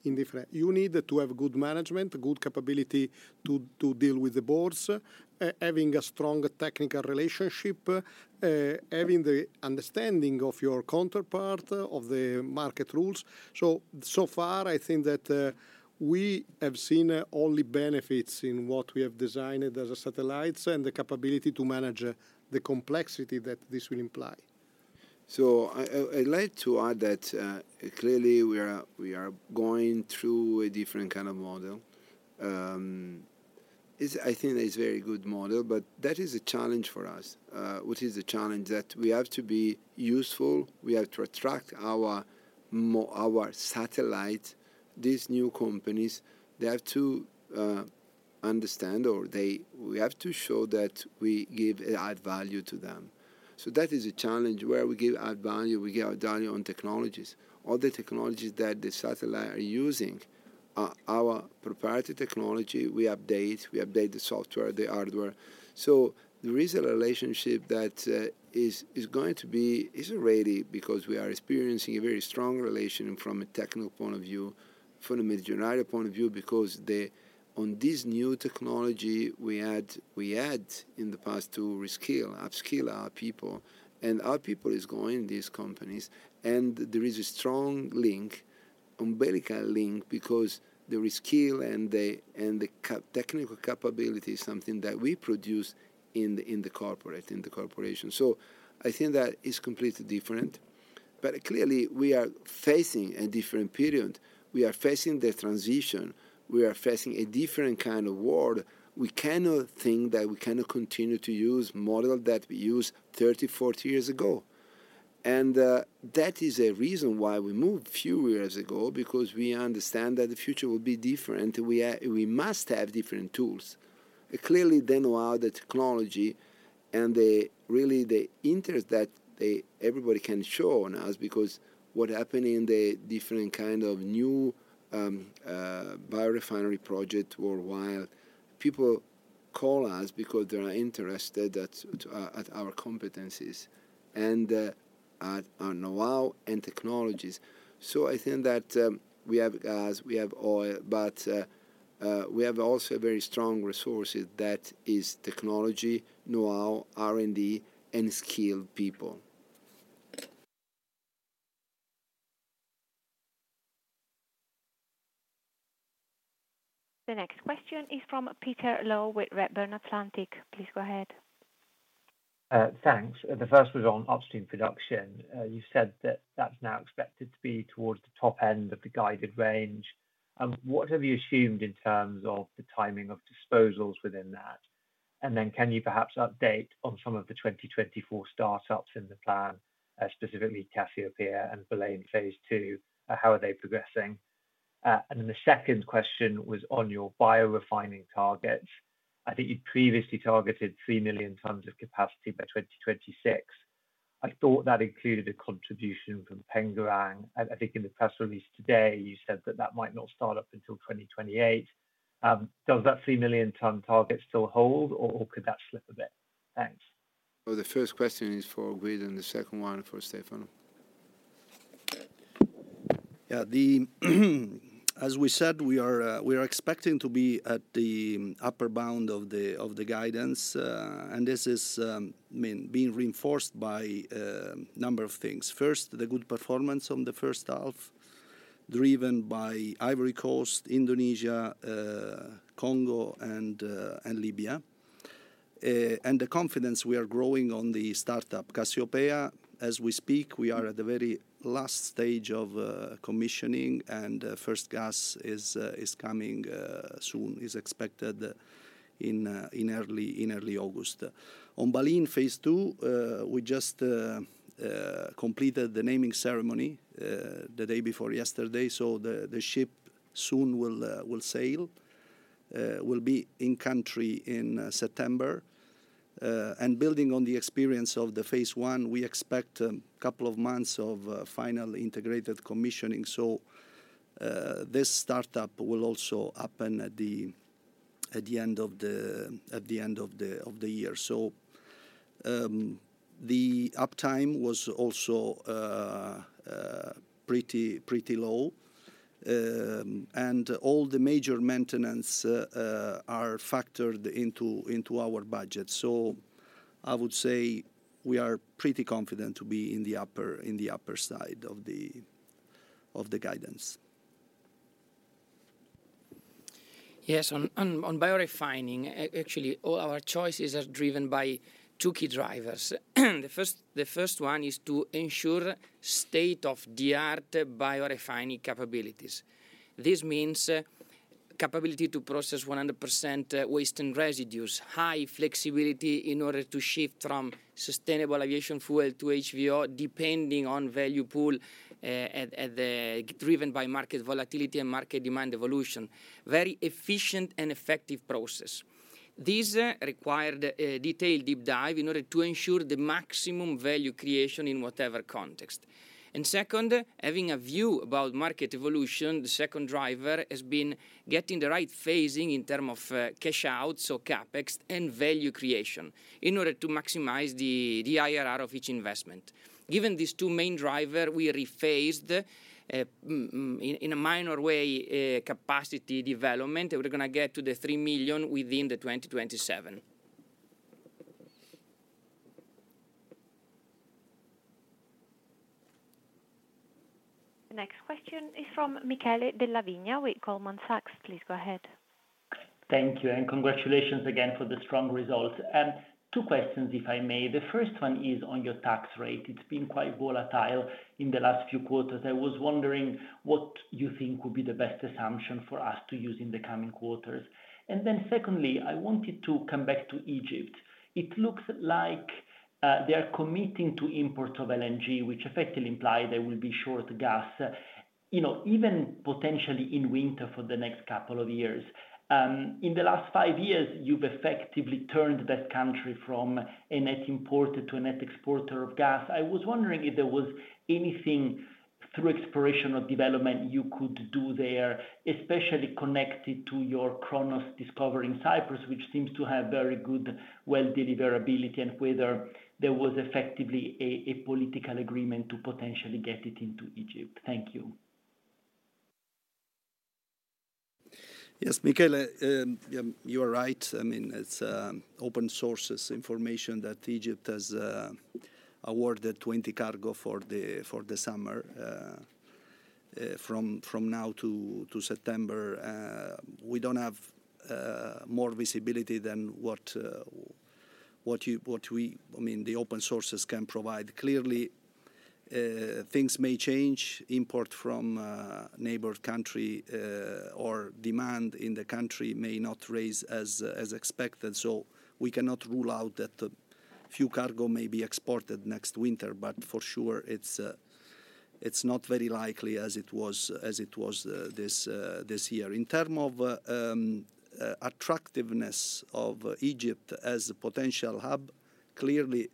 E: in different. You need to have a good management, good capability to deal with the boards, having a strong technical relationship, having the understanding of your counterpart, of the market rules. So far I think that we have seen only benefits in what we have designed as a satellite and the capability to manage the complexity that this will imply.
B: So I'd like to add that clearly we are going through a different kind of model. I think that is a very good model, but that is a challenge for us. What is the challenge? That we have to be useful. We have to attract our satellite. These new companies, they have to understand. Or we have to show that we give added value to them. So that is a challenge where we give added value. We give value on technologies. All the technologies that the satellite are using, our proprietary technology. We update, we update the software, the hardware. So there is a relationship that is going to be. Is already. Because we are experiencing a very strong relation from a strict technical point of view, from a management point of view. Because on this new technology we had in the past to reskill upskill our people. Our people is going these companies. And there is a strong link, umbilical link, because the skill and the technical capability is something that we produce in the corporate, in the corporation. So I think that is completely different. Different, but clearly we are facing a different period. We are facing the transition, we are facing a different kind of world. We cannot think that we cannot continue to use model that we used 30, 40 years ago. And that is a reason why we moved few years ago, because we understand that the future will be different. We must have different tools. Clearly then. Well, that technology and really the interest that everybody can show on us. Because what happened in the different kind of new biorefinery project worldwide, people call us because they are interested at our competencies and know-how and technologies. So I think that we have gas, we have oil, but we have also very strong resources. That is technology. Know-how, R&D, and skilled people.
A: The next question is from Peter Low with Redburn Atlantic. Please go ahead.
O: Thanks. The first was on upstream production. You said that that's now expected to be towards the top end of the guided range. What have you assumed in terms of the timing of disposals within that? And then can you perhaps update on some of the 2024 startups in the plan? Specifically Cassiopea and Baleine Phase 2, how are they progressing? And then the second question was on your biorefining targets. I think you'd previously targeted 3 million tonnes of capacity by 2026. I thought that included a contribution from Pengerang. I think in the press release today you said that that might not start up until 2028. Does that 3 million tonne target still hold or could that slip a bit? Thanks.
B: The first question is for Guido and the second one for Stefano.
H: As we said, we are expecting to be at the upper bound of the guidance and this is being reinforced by number of things. First, the good performance on the first half driven by Ivory Coast, Indonesia, Congo and Libya and the confidence we are growing on the startup Cassiopea as we speak. We are at the very last stage of commissioning and first gas is coming soon, is coming expected in early August on Baleine Phase 2, we just completed the naming ceremony the day before yesterday. So the ship soon will sail, will be in country in September and building on the experience of the phase one, we expect a couple of months of final integrated commissioning. So this startup will also happen. At the end of the year. So the uptime was also pretty low and all the major maintenance are factored into our budget. So I would say we are pretty confident to be in the upper side of the guidance.
D: Yes. On biorefining, actually all our choices are driven by two key drivers. The first one is to ensure state of the art biorefining capabilities. This means capability to process 100% waste and residues, high flexibility in order to shift from sustainable aviation fuel to HVO depending on value pool, driven by market volatility and market demand evolution. Very efficient and effective process. These required a detailed deep dive in order to ensure the maximum value creation in whatever context. And second, having a view about market evolution, the second driver has been getting the right phasing in terms of cash out. So CapEx and value creation in order to maximize the IRR of each investment. Given these two main drivers, we rephrased in a minor way capacity development. We're going to get to the 3 million within the 2027.
A: Next question is from Michele Della Vigna with Goldman Sachs. Please go ahead.
P: Thank you and congratulations again for the strong results. Two questions if I may. The first one is on your tax rate. It's been quite volatile in the last few quarters. I was wondering what you think would be the best assumption for us to use in the coming quarters. And then secondly, I wanted to come back to Egypt. It looks like they are committing to import of LNG which effectively implies there will be shortages in gas even potentially in winter for the next couple of years. In the last five years you've effectively turned that country from a net importer to a net exporter of gas. I was wondering if there was anything through exploration or development you could do there, especially connected to your Cronos discovery in Cyprus which seems to have very good, well deliverability and whether there was effectively a political agreement to potentially get it into Egypt. Thank you.
B: Yes, Michele, you are right. I mean it's open source information that Egypt has awarded 20 cargo for the summer from now to September. We don't have more visibility than what we, I mean the open sources can provide. Clearly things may change. Import from neighbor country or demand in the country may not raise as expected. So we cannot rule out that few cargo may be exported next winter. But for sure it's not very likely as it was, as it was this year. In terms of attractiveness of Egypt as a potential hub, clearly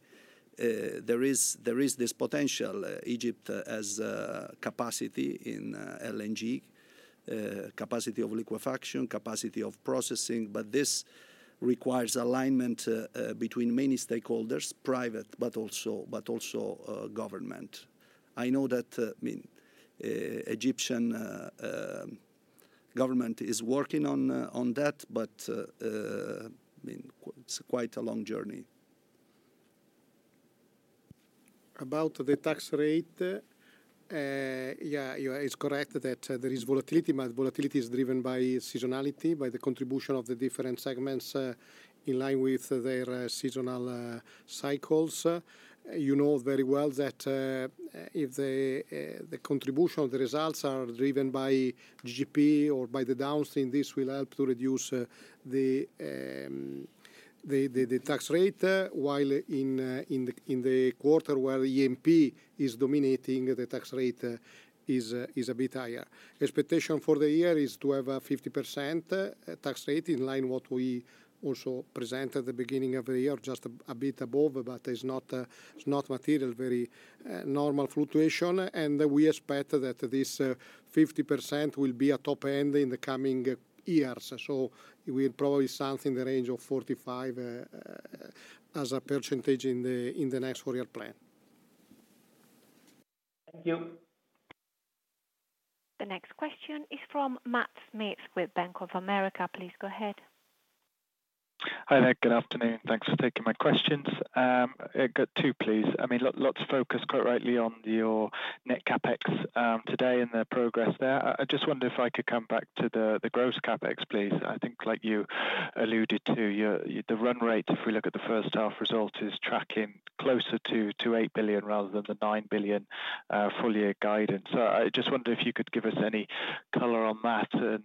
B: there is this potential. Egypt has capacity in LNG, capacity of liquefaction, capacity of processing. But this requires alignment between many stakeholders, private but also government. I know that Egyptian government is working on that but it's quite a long journey.
E: About the tax rate. Yeah. It's correct that there is volatility, but volatility is driven by seasonality, by the contribution of the different segments in line with their seasonal cycles. You know very well that if the contribution of the results are driven by GGP or by the downstream, this will help to reduce the tax rate. While in the quarter where E&P is dominating, the tax rate is a bit higher. Expectation for the year is to have a 50% tax rate in line. What we, we also present at the beginning of the year just a bit above, but it's not material very normal fluctuation and we expect that this 50% will be a top end in the coming years. So we're probably something in the range of 45% in the next four-year plan.
P: Thank you.
A: The next question is from Matt Smith with Bank of America. Please go ahead.
Q: Hi there. Good afternoon. Thanks for taking my questions. Two please. I mean lots focused quite rightly on your net CapEx today and the progress there. I just wonder if I could come back to the gross CapEx, please. I think like you alluded to, the run rate, if we look at the first half result is tracking closer to 8 billion rather than the 9 billion full year guidance. I just wonder if you could give us any color on that and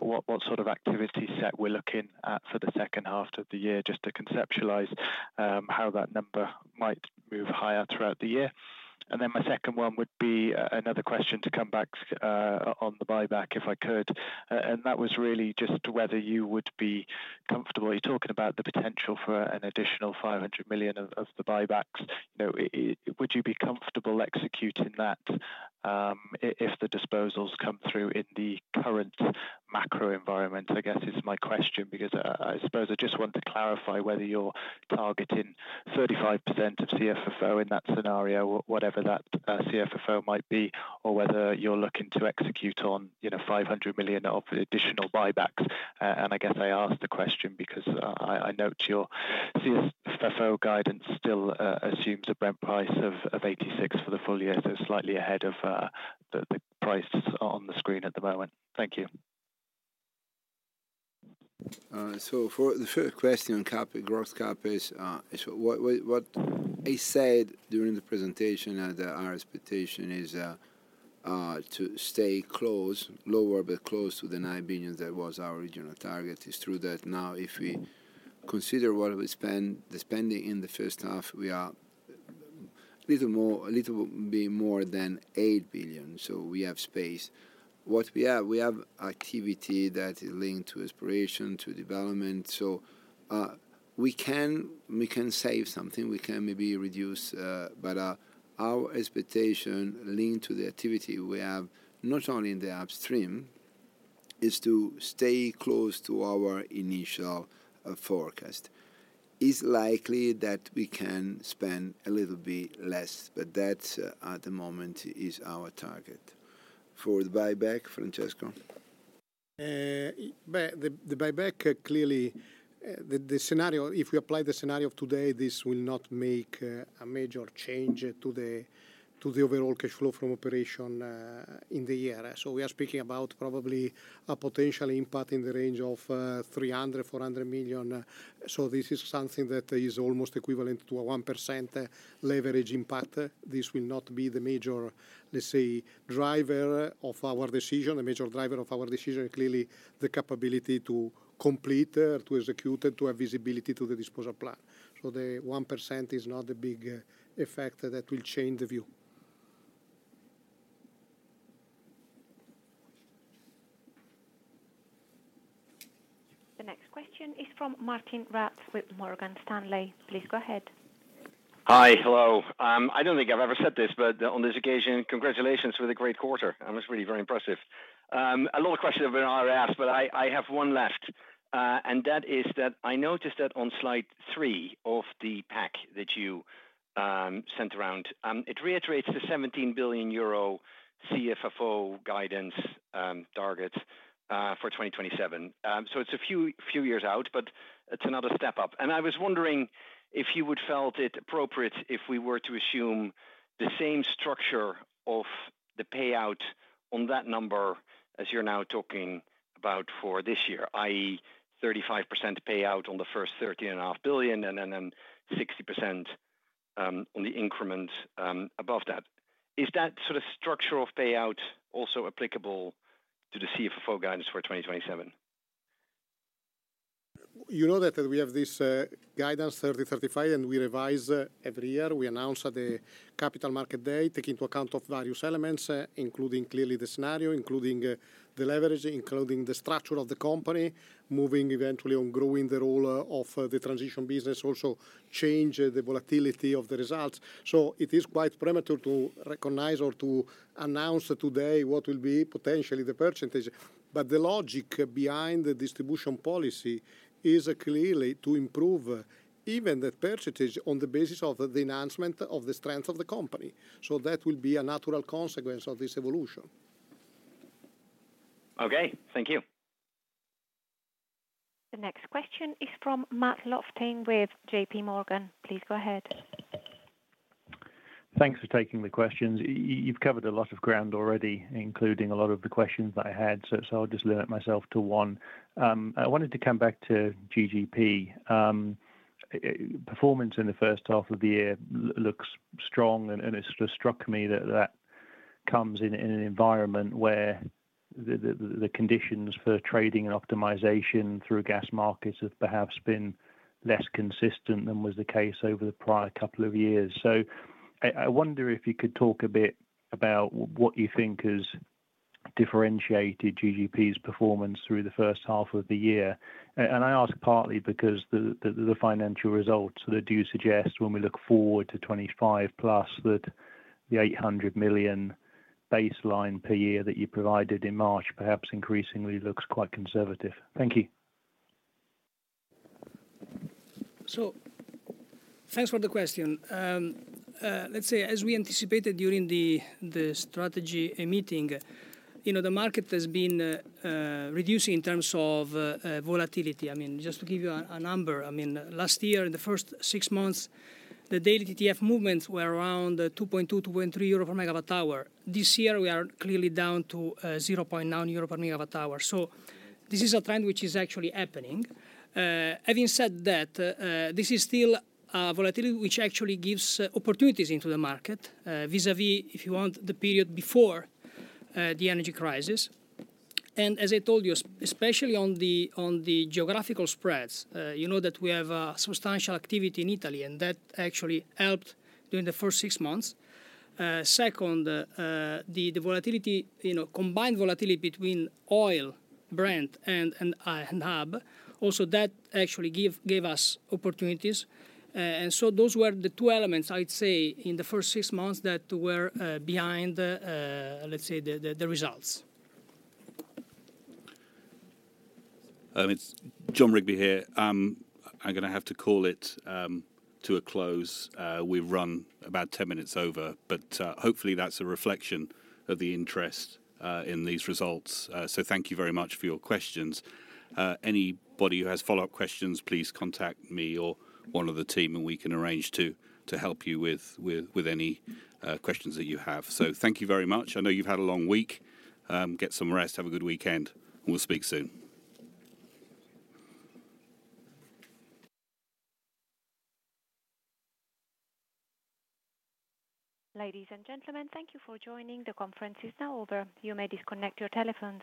Q: what sort of activity set we're looking at for the second half of the year, just to conceptualize how that number might move higher throughout the year. And then my second one would be another question to come back on the buyback if I could. And that was really just whether you would be comfortable. You're talking about the potential for an additional 500 million of the buybacks. Would you be comfortable executing that if the disposals come through in the current macro environment? I guess is my question, because I suppose I just want to clarify whether, whether you're targeting 35% of CFFO in that scenario, whatever that CFFO might be, or whether you're looking to execute on 500 million of additional buybacks. And I guess I asked the question because I note your CFFO guidance still assumes a Brent price of $86 for the full year, so slightly ahead of the price on the screen at the moment. Thank you.
B: So for the first question, gross CapEx, what I said during the presentation, that our expectation is to stay close, lower, but close to the 9 billion that was our original target. It is true that now if we consider what we spend, the spending in the first half, we are a little bit more than 8 billion. So we have space, what we have, we have activity that is linked to exploration, to development, so we can save something, we can maybe reduce. But our expectation linked to the activity we have not only in the upstream is to stay close to our initial forecast. It is likely that we can spend a little bit less. But that at the moment is our target for the buyback, Francesco.
E: The buyback. Clearly the scenario, if we apply the scenario of today, this will not make a major change to the overall cash flow from operation in the year. So we are speaking about probably a potential impact in the range of 300 to 400 million. So this is something that is almost equivalent to a 1% leverage impact. This will not be the major, let's say, driver of our decision, a major driver of our decision. Clearly the capability to complete, to execute, to have visibility to the disposal plan. So the 1% is not a big effect that will change the view.
A: The next question is from Martijn Rats with Morgan Stanley. Please go ahead.
R: Hi. Hello. I don't think I've ever said this, but on this occasion, congratulations on a great quarter. That was really very impressive. A lot of questions have been raised, but I have one left and that is that I noticed that on slide 3 of the pack that you sent around, it reiterates the 17 billion euro CFFO guidance target for 2027. So it's a few years out, but it's another step up. And I was wondering if you felt it appropriate if we were to assume the same structure of the payout on that number as you're now talking about for this year. That is 35% payout on the first 13.5 billion and then 60% on the increment above that. Is that sort of structure of payout also applicable to the CFFO guidance for 2027?
E: You know that we have this guidance 30-35 and we revise every year we announce the Capital Markets Day, take into account of various elements including clearly the scenario, including the leverage, including the structure of the company moving eventually on growing the role of the transition business. Also change the volatility of the results. So it is quite premature to recognize or to announce today what will be potentially the payout. But the logic behind the distribution policy is clearly to improve even the payouts on the basis of the enhancement of the strength of the company. So that will be a natural consequence of this evolution.
R: Okay, thank you.
A: The next question is from Matthew Lofting with J.P. Morgan. Please go ahead.
S: Thanks for taking the questions. You've covered a lot of ground already, including a lot of the questions that I had. So I'll just limit myself to one I wanted to come back to. GGP performance in the first half of the year looks strong. And it struck me that comes in an environment where the conditions for trading and optimization through gas markets have perhaps been less consistent than was the case over the prior couple of years. So I wonder if you could talk a bit about what you think has differentiated GGP's performance through the first half of the year. And I ask partly because the financial results do suggest when we look forward to 2025 plus, that the 800 million baseline per year that you provided in March perhaps increasingly looks quite conservative. Thank you.
K: So, thanks for the question. Let's say, as we anticipated during the strategy meeting, you know, the market has been reducing in terms of volatility. I mean, just to give you a number, I mean last year, year in the first six months, the daily TTF movements were around 2.2 to 2.3 euro per MWh. This year we are clearly down to 0.9 euro per MWh. So this is a trend which is actually happening. Having said that, this is still volatility which actually gives opportunities into the market vis a vis. If you want the period before the energy crisis. And as I told you, especially on the geographical spreads, you know that we have substantial activity in Italy and that actually helped during the first six months. Second, the volatility, you know, combined volatility between Oil Brent and NBP also, that actually gave us opportunities. Those were the two elements, I'd say in the first six months that were behind, let's say, the results.
T: It's Jon Rigby here. I'm going to have to call it to a close. We've run about 10 minutes over, but hopefully that's a reflection of the interest in these results. So thank you very much for your questions. Anybody who has follow-up questions, please contact me or one of the team and we can arrange to help you with any questions that you have. So thank you very much. I know you've had a long week. Get some rest, have a good weekend. We'll speak soon.
A: Ladies and gentlemen, thank you for joining. The conference is now over. You may disconnect your telephones.